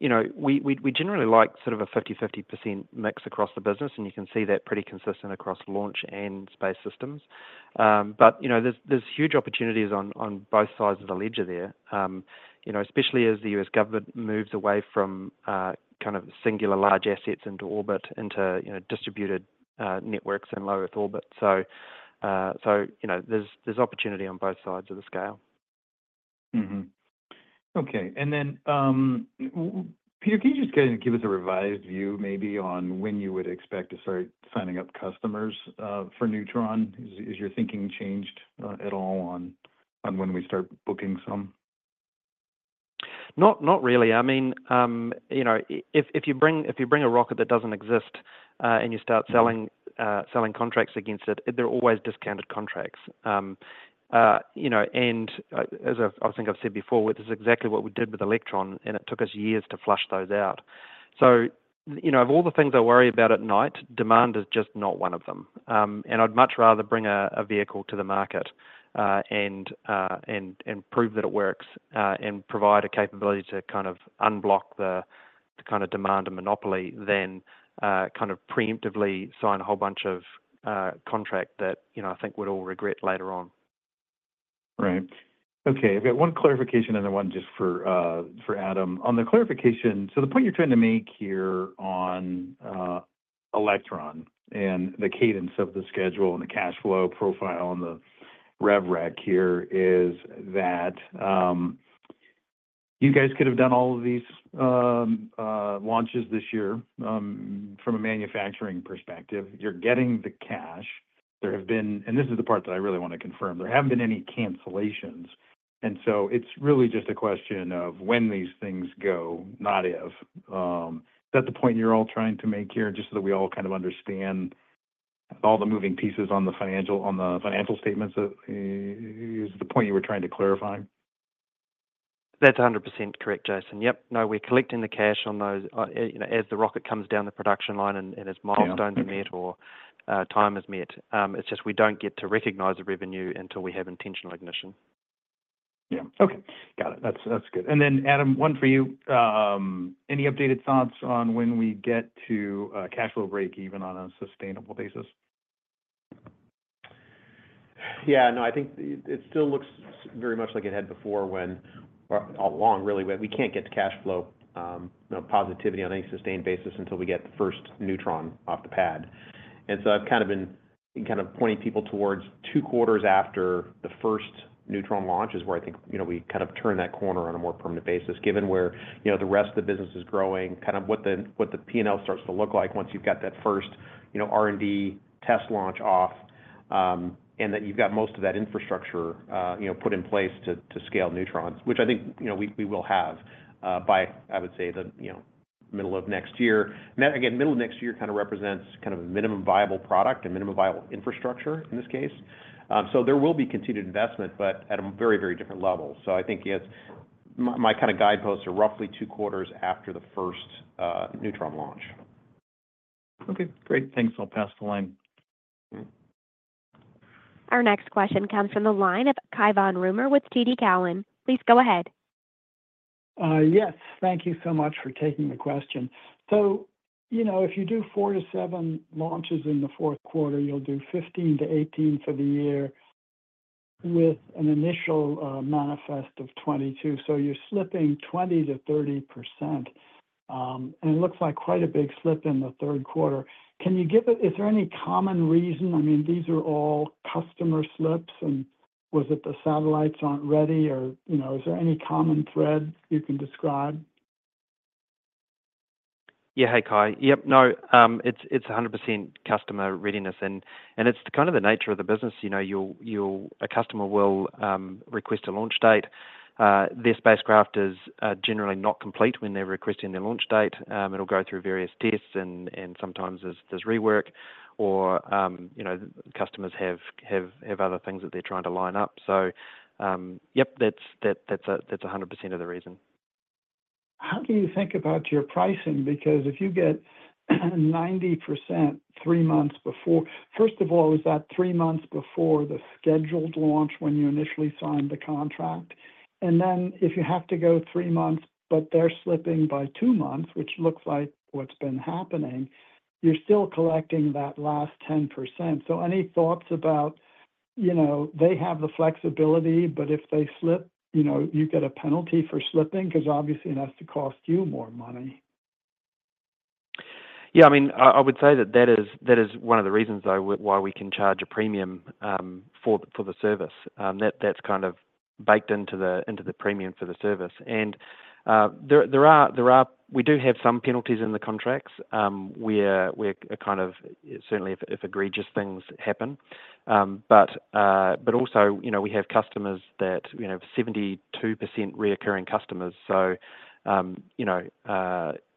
you know, we generally like sort of a 50/50% mix across the business, and you can see that pretty consistent across Launch and Space Systems. But, you know, there's huge opportunities on both sides of the ledger there. You know, especially as the U.S. government moves away from kind of singular large assets into orbit, into, you know, distributed networks and low Earth orbit. So, so you know, there's opportunity on both sides of the scale. Mm-hmm. Okay, and then, Peter, can you just kinda give us a revised view maybe on when you would expect to start signing up customers for Neutron? Has your thinking changed at all on when we start booking some? Not really. I mean, you know, if you bring a rocket that doesn't exist, and you start selling- Mm- -selling contracts against it, they're always discounted contracts. You know, and, as I think I've said before, which is exactly what we did with Electron, and it took us years to flush those out. So, you know, of all the things I worry about at night, demand is just not one of them. And I'd much rather bring a vehicle to the market, and prove that it works, and provide a capability to kind of unblock the kind of demand and monopoly than kind of preemptively sign a whole bunch of contract that, you know, I think we'd all regret later on. Right. Okay, I've got one clarification and then one just for, for Adam. On the clarification, so the point you're trying to make here on Electron and the cadence of the schedule and the cash flow profile and the rev rec here is that you guys could have done all of these launches this year. From a manufacturing perspective, you're getting the cash. There have been. And this is the part that I really want to confirm: There haven't been any cancellations, and so it's really just a question of when these things go, not if. Is that the point you're all trying to make here, just so that we all kind of understand all the moving pieces on the financial, on the financial statements? Is the point you were trying to clarify? That's 100% correct, Jason. Yep. No, we're collecting the cash on those, you know, as the rocket comes down the production line and as- Okay -milestones are met or time is met. It's just we don't get to recognize the revenue until we have intentional ignition. Yeah. Okay, got it. That's, that's good. And then, Adam, one for you. Any updated thoughts on when we get to cash flow break even on a sustainable basis? Yeah, no, I think it still looks very much like it had before when, or all along, really, where we can't get to cash flow positivity on any sustained basis until we get the first Neutron off the pad. And so I've kind of been kind of pointing people towards two quarters after the first Neutron launch, is where I think, you know, we kind of turn that corner on a more permanent basis, given where, you know, the rest of the business is growing, kind of what the, what the P&L starts to look like once you've got that first, you know, R&D test launch off, and that you've got most of that infrastructure, you know, put in place to, to scale Neutrons. Which I think, you know, we, we will have, by, I would say, the, you know, middle of next year. And then, again, middle of next year kinda represents kind of a minimum viable product and minimum viable infrastructure in this case. So there will be continued investment, but at a very, very different level. So I think, yes, my, my kinda guideposts are roughly two quarters after the first, Neutron launch. Okay, great. Thanks. I'll pass the line. Our next question comes from the line of Cai von Rumohr with TD Cowen. Please go ahead. Yes, thank you so much for taking the question. So, you know, if you do 4-7 launches in the fourth quarter, you'll do 15-18 for the year, with an initial manifest of 22. So you're slipping 20%-30%, and it looks like quite a big slip in the third quarter. Can you give? Is there any common reason? I mean, these are all customer slips, and was it the satellites aren't ready or, you know, is there any common thread you can describe? Yeah. Hey, Cai. Yep, no, it's 100% customer readiness, and it's kind of the nature of the business. You know, you'll—a customer will request a launch date. Their spacecraft is generally not complete when they're requesting their launch date. It'll go through various tests and sometimes there's rework or, you know, customers have other things that they're trying to line up. So, yep, that's 100% of the reason. How do you think about your pricing? Because if you get 90% three months before—First of all, was that three months before the scheduled launch when you initially signed the contract? And then, if you have to go three months, but they're slipping by two months, which looks like what's been happening, you're still collecting that last 10%. So any thoughts about, you know, they have the flexibility, but if they slip, you know, you get a penalty for slipping? 'Cause obviously it has to cost you more money. Yeah, I mean, I would say that that is one of the reasons, though, why we can charge a premium for the service. That's kind of baked into the premium for the service. And there are—we do have some penalties in the contracts where we're kind of. Certainly, if egregious things happen. But also, you know, we have customers that, you know, 72% recurring customers. So, you know,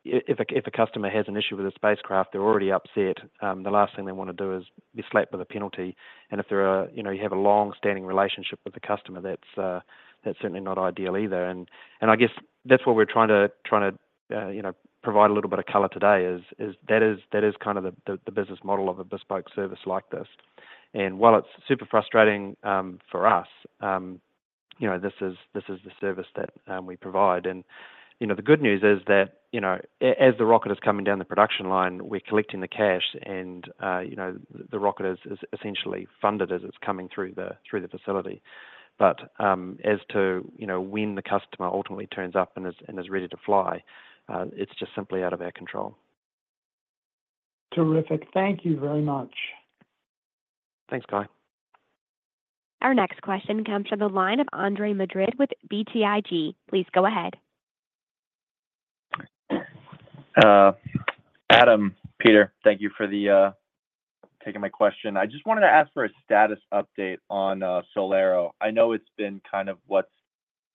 if a customer has an issue with a spacecraft, they're already upset, the last thing they want to do is be slapped with a penalty. And if they're a, you know, you have a long-standing relationship with the customer, that's certainly not ideal either. I guess that's what we're trying to provide a little bit of color today, is that is kind of the business model of a bespoke service like this. And while it's super frustrating for us, you know, this is the service that we provide. And, you know, the good news is that, you know, as the rocket is coming down the production line, we're collecting the cash and, you know, the rocket is essentially funded as it's coming through the facility. But, as to, you know, when the customer ultimately turns up and is ready to fly, it's just simply out of our control. Terrific. Thank you very much. Thanks, Cai. Our next question comes from the line of Andres Madrid with BTIG. Please go ahead. Adam, Peter, thank you for taking my question. I just wanted to ask for a status update on SolAero. I know it's been kind of what's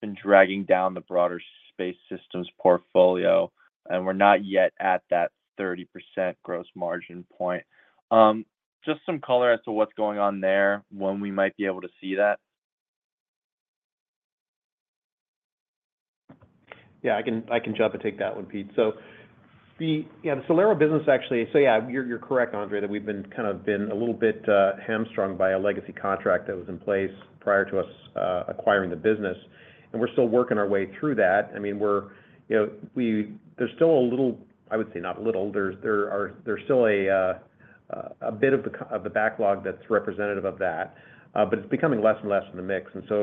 been dragging down the broader Space Systems portfolio, and we're not yet at that 30% gross margin point. Just some color as to what's going on there, when we might be able to see that. Yeah, I can jump and take that one, Pete. So yeah, the SolAero business actually. So, yeah, you're correct, Andre, that we've kind of been a little bit hamstrung by a legacy contract that was in place prior to us acquiring the business, and we're still working our way through that. I mean, we're, you know. There is still a bit of the backlog that's representative of that, but it's becoming less and less in the mix. And so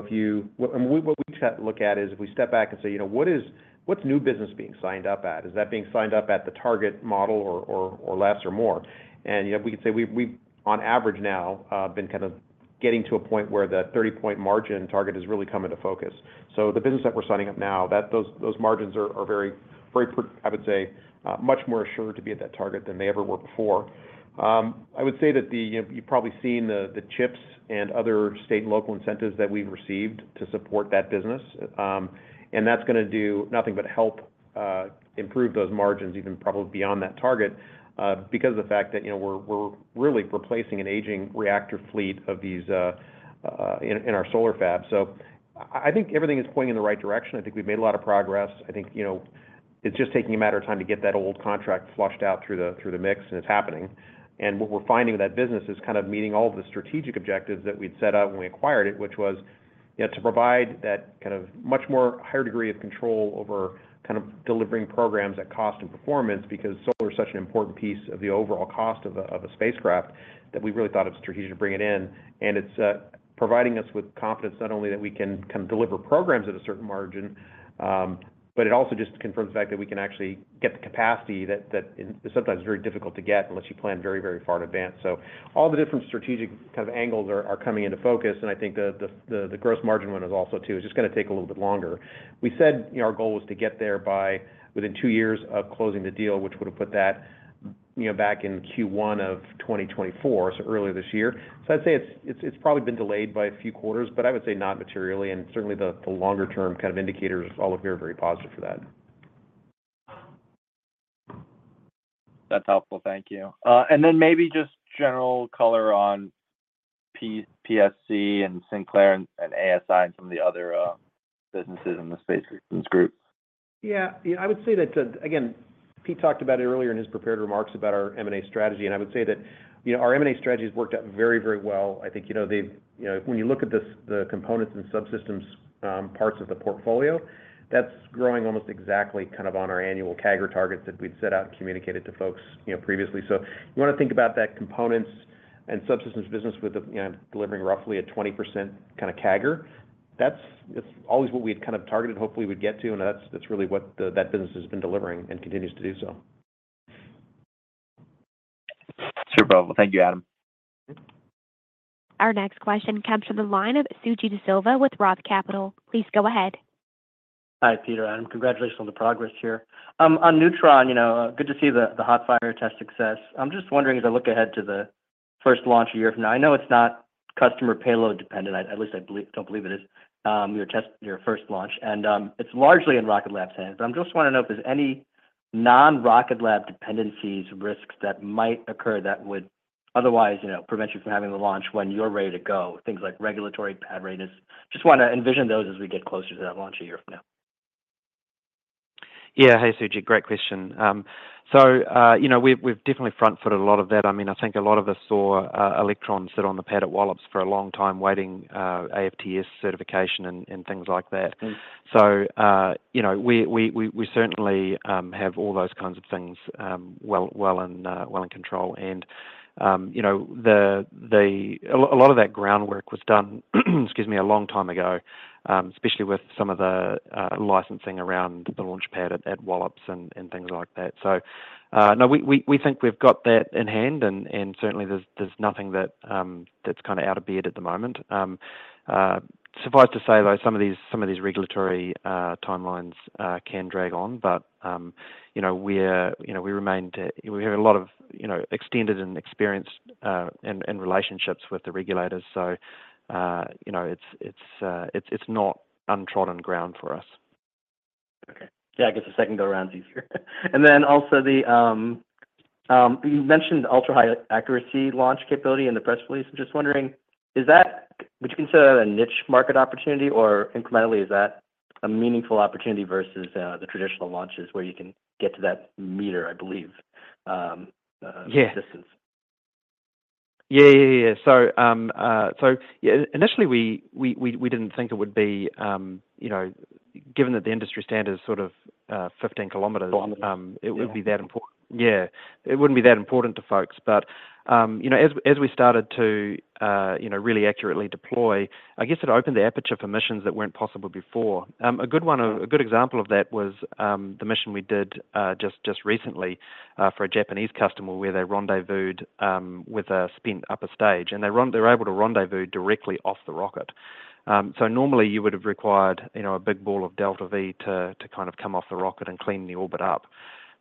what we start to look at is if we step back and say: "You know, what is what's new business being signed up at? Is that being signed up at the target model or less or more?" And, you know, we can say we've, on average now, been kind of getting to a point where the 30-point margin target has really come into focus. So the business that we're signing up now, those margins are very very. I would say much more assured to be at that target than they ever were before. I would say that you've probably seen the CHIPS and other state and local incentives that we've received to support that business, and that's gonna do nothing but help improve those margins even probably beyond that target, because of the fact that, you know, we're really replacing an aging reactor fleet of these in our solar fab. So I think everything is pointing in the right direction. I think we've made a lot of progress. I think, you know, it's just taking a matter of time to get that old contract flushed out through the, through the mix, and it's happening. And what we're finding with that business is kind of meeting all of the strategic objectives that we'd set out when we acquired it, which was- -yeah, to provide that kind of much more higher degree of control over kind of delivering programs at cost and performance, because solar is such an important piece of the overall cost of a spacecraft that we really thought it was strategic to bring it in. And it's providing us with confidence, not only that we can kind of deliver programs at a certain margin, but it also just confirms the fact that we can actually get the capacity that is sometimes very difficult to get unless you plan very, very far in advance. So all the different strategic kind of angles are coming into focus, and I think the gross margin one is also too. It's just gonna take a little bit longer. We said, you know, our goal was to get there by within two years of closing the deal, which would have put that, you know, back in Q1 of 2024, so earlier this year. So I'd say it's probably been delayed by a few quarters, but I would say not materially, and certainly the longer term kind of indicators all look very, very positive for that. That's helpful. Thank you. And then maybe just general color on PSC and Sinclair and ASI and some of the other businesses in the Space Systems group. Yeah. Yeah, I would say that, again, Pete talked about it earlier in his prepared remarks about our M&A strategy, and I would say that, you know, our M&A strategy has worked out very, very well. I think, you know, the components and subsystems, parts of the portfolio, that's growing almost exactly kind of on our annual CAGR targets that we'd set out and communicated to folks, you know, previously. So you wanna think about that components and subsystems business with the, you know, delivering roughly a 20% kind of CAGR. That's, that's always what we'd kind of targeted, hopefully would get to, and that's, that's really what the, that business has been delivering and continues to do so. Superb. Thank you, Adam. Our next question comes from the line of Suji Desilva with Roth Capital. Please go ahead. Hi, Peter and Adam. Congratulations on the progress here. On Neutron, you know, good to see the hot fire test success. I'm just wondering, as I look ahead to the first launch a year from now, I know it's not customer payload dependent. At least I don't believe it is, your test, your first launch, and it's largely in Rocket Lab's hands. I'm just wanting to know if there's any non-Rocket Lab dependencies, risks that might occur that would otherwise, you know, prevent you from having the launch when you're ready to go. Things like regulatory pad readiness. Just wanna envision those as we get closer to that launch a year from now. Yeah. Hey, Suji, great question. So, you know, we've definitely front-footed a lot of that. I mean, I think a lot of us saw Electron sit on the pad at Wallops for a long time, waiting AFTS certification and things like that. Mm. You know, we certainly have all those kinds of things well in control. You know, a lot of that groundwork was done, excuse me, a long time ago, especially with some of the licensing around the launch pad at Wallops and things like that. We think we've got that in hand, and certainly there's nothing that's kind of out of bed at the moment. Suffice to say, though, some of these regulatory timelines can drag on, but you know, we remain to-- we have a lot of extended and experienced, and relationships with the regulators. So, you know, it's not untrodden ground for us. Okay. Yeah, I guess the second go-round is easier. And then also, you mentioned ultra-high accuracy launch capability in the press release. I'm just wondering, is that—would you consider that a niche market opportunity, or incrementally, is that a meaningful opportunity versus the traditional launches where you can get to that meter, I believe, distance? Yeah. Yeah, yeah, yeah. So, so initially, we didn't think it would be, you know, given that the industry standard is sort of, 15 kilometers- Kilometers -it would be that important. Yeah, it wouldn't be that important to folks. But, you know, as we started to, you know, really accurately deploy, I guess it opened the aperture for missions that weren't possible before. A good one, a good example of that was the mission we did just recently for a Japanese customer, where they rendezvoused with a spent upper stage, and they were able to rendezvous directly off the rocket. So normally you would have required, you know, a big ball of delta V to kind of come off the rocket and clean the orbit up.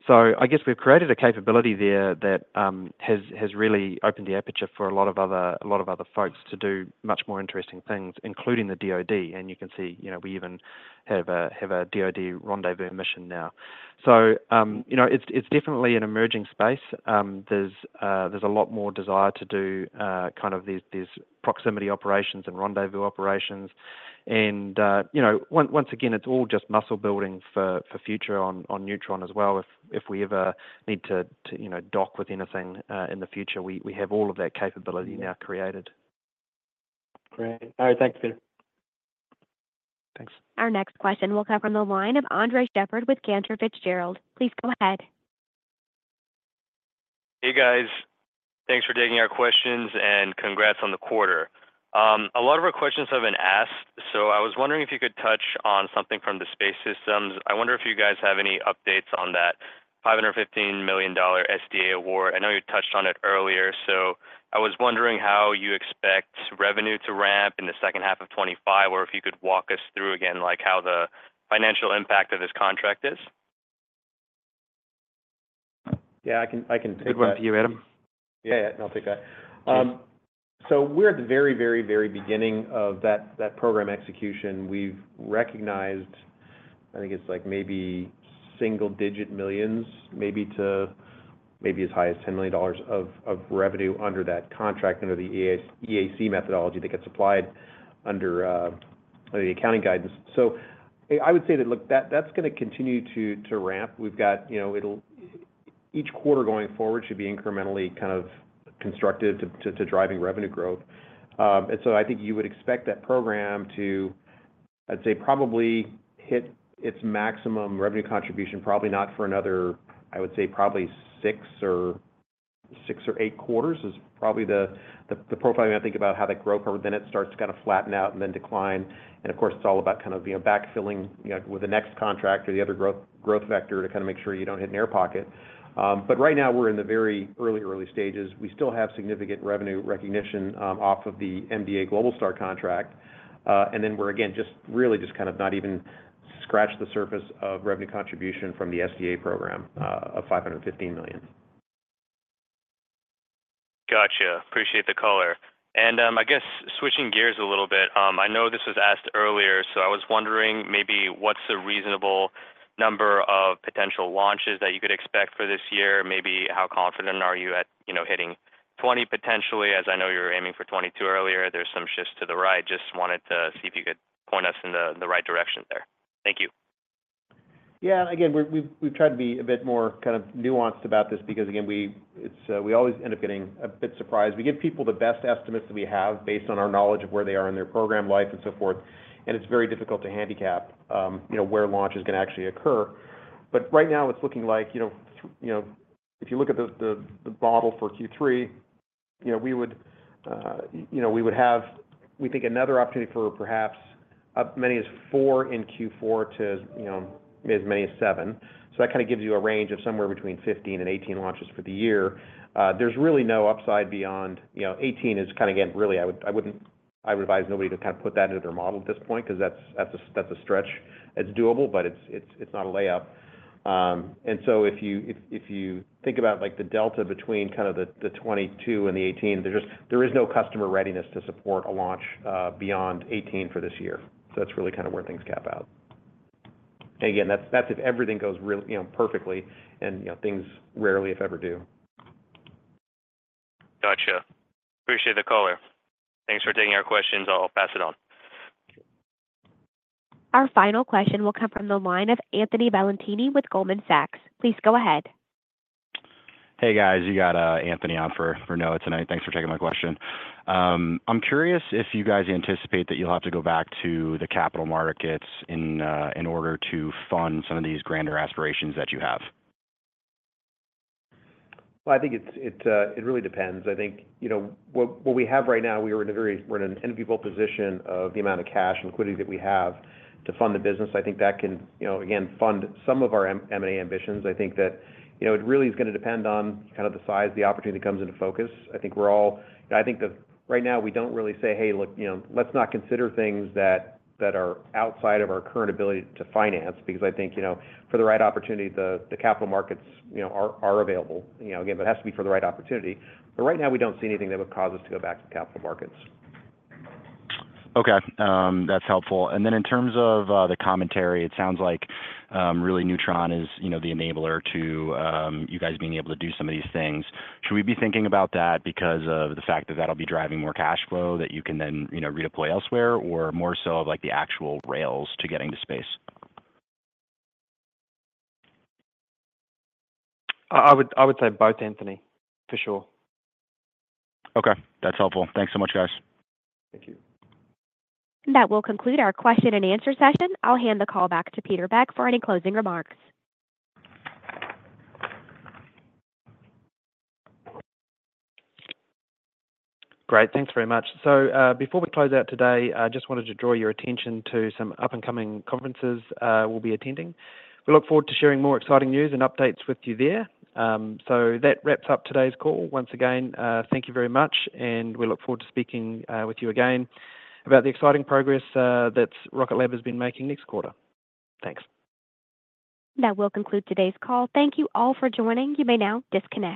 So I guess we've created a capability there that has really opened the aperture for a lot of other folks to do much more interesting things, including the DoD. And you can see, you know, we even have a DoD rendezvous mission now. So, you know, it's definitely an emerging space. There's a lot more desire to do kind of these proximity operations and rendezvous operations. And, you know, once again, it's all just muscle building for future on Neutron as well. If we ever need to, you know, dock with anything in the future, we have all of that capability now created. Great. All right. Thanks, Peter. Thanks. Our next question will come from the line of Andres Sheppard with Cantor Fitzgerald. Please go ahead. Hey, guys. Thanks for taking our questions, and congrats on the quarter. A lot of our questions have been asked, so I was wondering if you could touch on something from the Space Systems. I wonder if you guys have any updates on that $515 million SDA award. I know you touched on it earlier, so I was wondering how you expect revenue to ramp in the second half of 2025, or if you could walk us through again, like, how the financial impact of this contract is? Yeah, I can, I can take that. Good one to you, Adam. Yeah, yeah, I'll take that. So we're at the very, very, very beginning of that, that program execution. We've recognized, I think it's like maybe single-digit millions, maybe to maybe as high as $10 million of, of revenue under that contract, under the EAC methodology that gets applied under the accounting guidance. So I would say that, look, that's gonna continue to, to ramp. We've got, you know, it'll- it- each quarter going forward should be incrementally kind of constructive to, to, to driving revenue growth. And so I think you would expect that program to, I'd say, probably hit its maximum revenue contribution, probably not for another, I would say, probably six or eight quarters is probably the, the, the profiling I think about how that growth curve, then it starts to kind of flatten out and then decline. And of course, it's all about kind of, you know, backfilling, you know, with the next contract or the other growth, growth vector to kind of make sure you don't hit an air pocket. But right now, we're in the very early, early stages. We still have significant revenue recognition off of the MDA Globalstar contract. And then we're, again, just really just kind of not even scratched the surface of revenue contribution from the SDA program of $515 million. Gotcha. Appreciate the color. I guess switching gears a little bit, I know this was asked earlier, so I was wondering maybe what's the reasonable number of potential launches that you could expect for this year? Maybe how confident are you at, you know, hitting 20 potentially, as I know you were aiming for 22 earlier. There's some shifts to the right. Just wanted to see if you could point us in the right direction there. Thank you. Yeah. Again, we've tried to be a bit more kind of nuanced about this because, again, it's, we always end up getting a bit surprised. We give people the best estimates that we have based on our knowledge of where they are in their program life and so forth, and it's very difficult to handicap, you know, where launches can actually occur. But right now, it's looking like, you know, if you look at the model for Q3, you know, we would, you know, we would have, we think, another opportunity for perhaps as many as 4 in Q4 to, you know, as many as 7. So that kind of gives you a range of somewhere between 15 and 18 launches for the year. There's really no upside beyond. You know, 18 is kind of, again, really, I wouldn't advise nobody to kind of put that into their model at this point, 'cause that's a stretch. It's doable, but it's not a layup. And so if you think about, like, the delta between the 22 and the 18, there's just no customer readiness to support a launch beyond 18 for this year. So that's really kind of where things cap out. And again, that's if everything goes really, you know, perfectly, and, you know, things rarely, if ever, do. Gotcha. Appreciate the call there. Thanks for taking our questions. I'll pass it on. Our final question will come from the line of Anthony Valentini with Goldman Sachs. Please go ahead. Hey, guys, you got Anthony on for Noah tonight. Thanks for taking my question. I'm curious if you guys anticipate that you'll have to go back to the capital markets in order to fund some of these grander aspirations that you have. Well, I think it really depends. I think, you know, what we have right now, we are in a very, we're in an enviable position of the amount of cash and liquidity that we have to fund the business. I think that can, you know, again, fund some of our M&A ambitions. I think that, you know, it really is gonna depend on kind of the size of the opportunity that comes into focus. I think we're all. I think right now, we don't really say, "Hey, look, you know, let's not consider things that are outside of our current ability to finance," because I think, you know, for the right opportunity, the capital markets, you know, are available. You know, again, it has to be for the right opportunity. But right now, we don't see anything that would cause us to go back to the capital markets. Okay, that's helpful. And then in terms of, the commentary, it sounds like, really, Neutron is, you know, the enabler to, you guys being able to do some of these things. Should we be thinking about that because of the fact that that'll be driving more cash flow that you can then, you know, redeploy elsewhere, or more so of, like, the actual rails to getting to space? I would say both, Anthony, for sure. Okay, that's helpful. Thanks so much, guys. Thank you. That will conclude our question and answer session. I'll hand the call back to Peter Beck for any closing remarks. Great. Thanks very much. So, before we close out today, I just wanted to draw your attention to some up-and-coming conferences we'll be attending. We look forward to sharing more exciting news and updates with you there. So that wraps up today's call. Once again, thank you very much, and we look forward to speaking with you again about the exciting progress that Rocket Lab has been making next quarter. Thanks. That will conclude today's call. Thank you all for joining. You may now disconnect.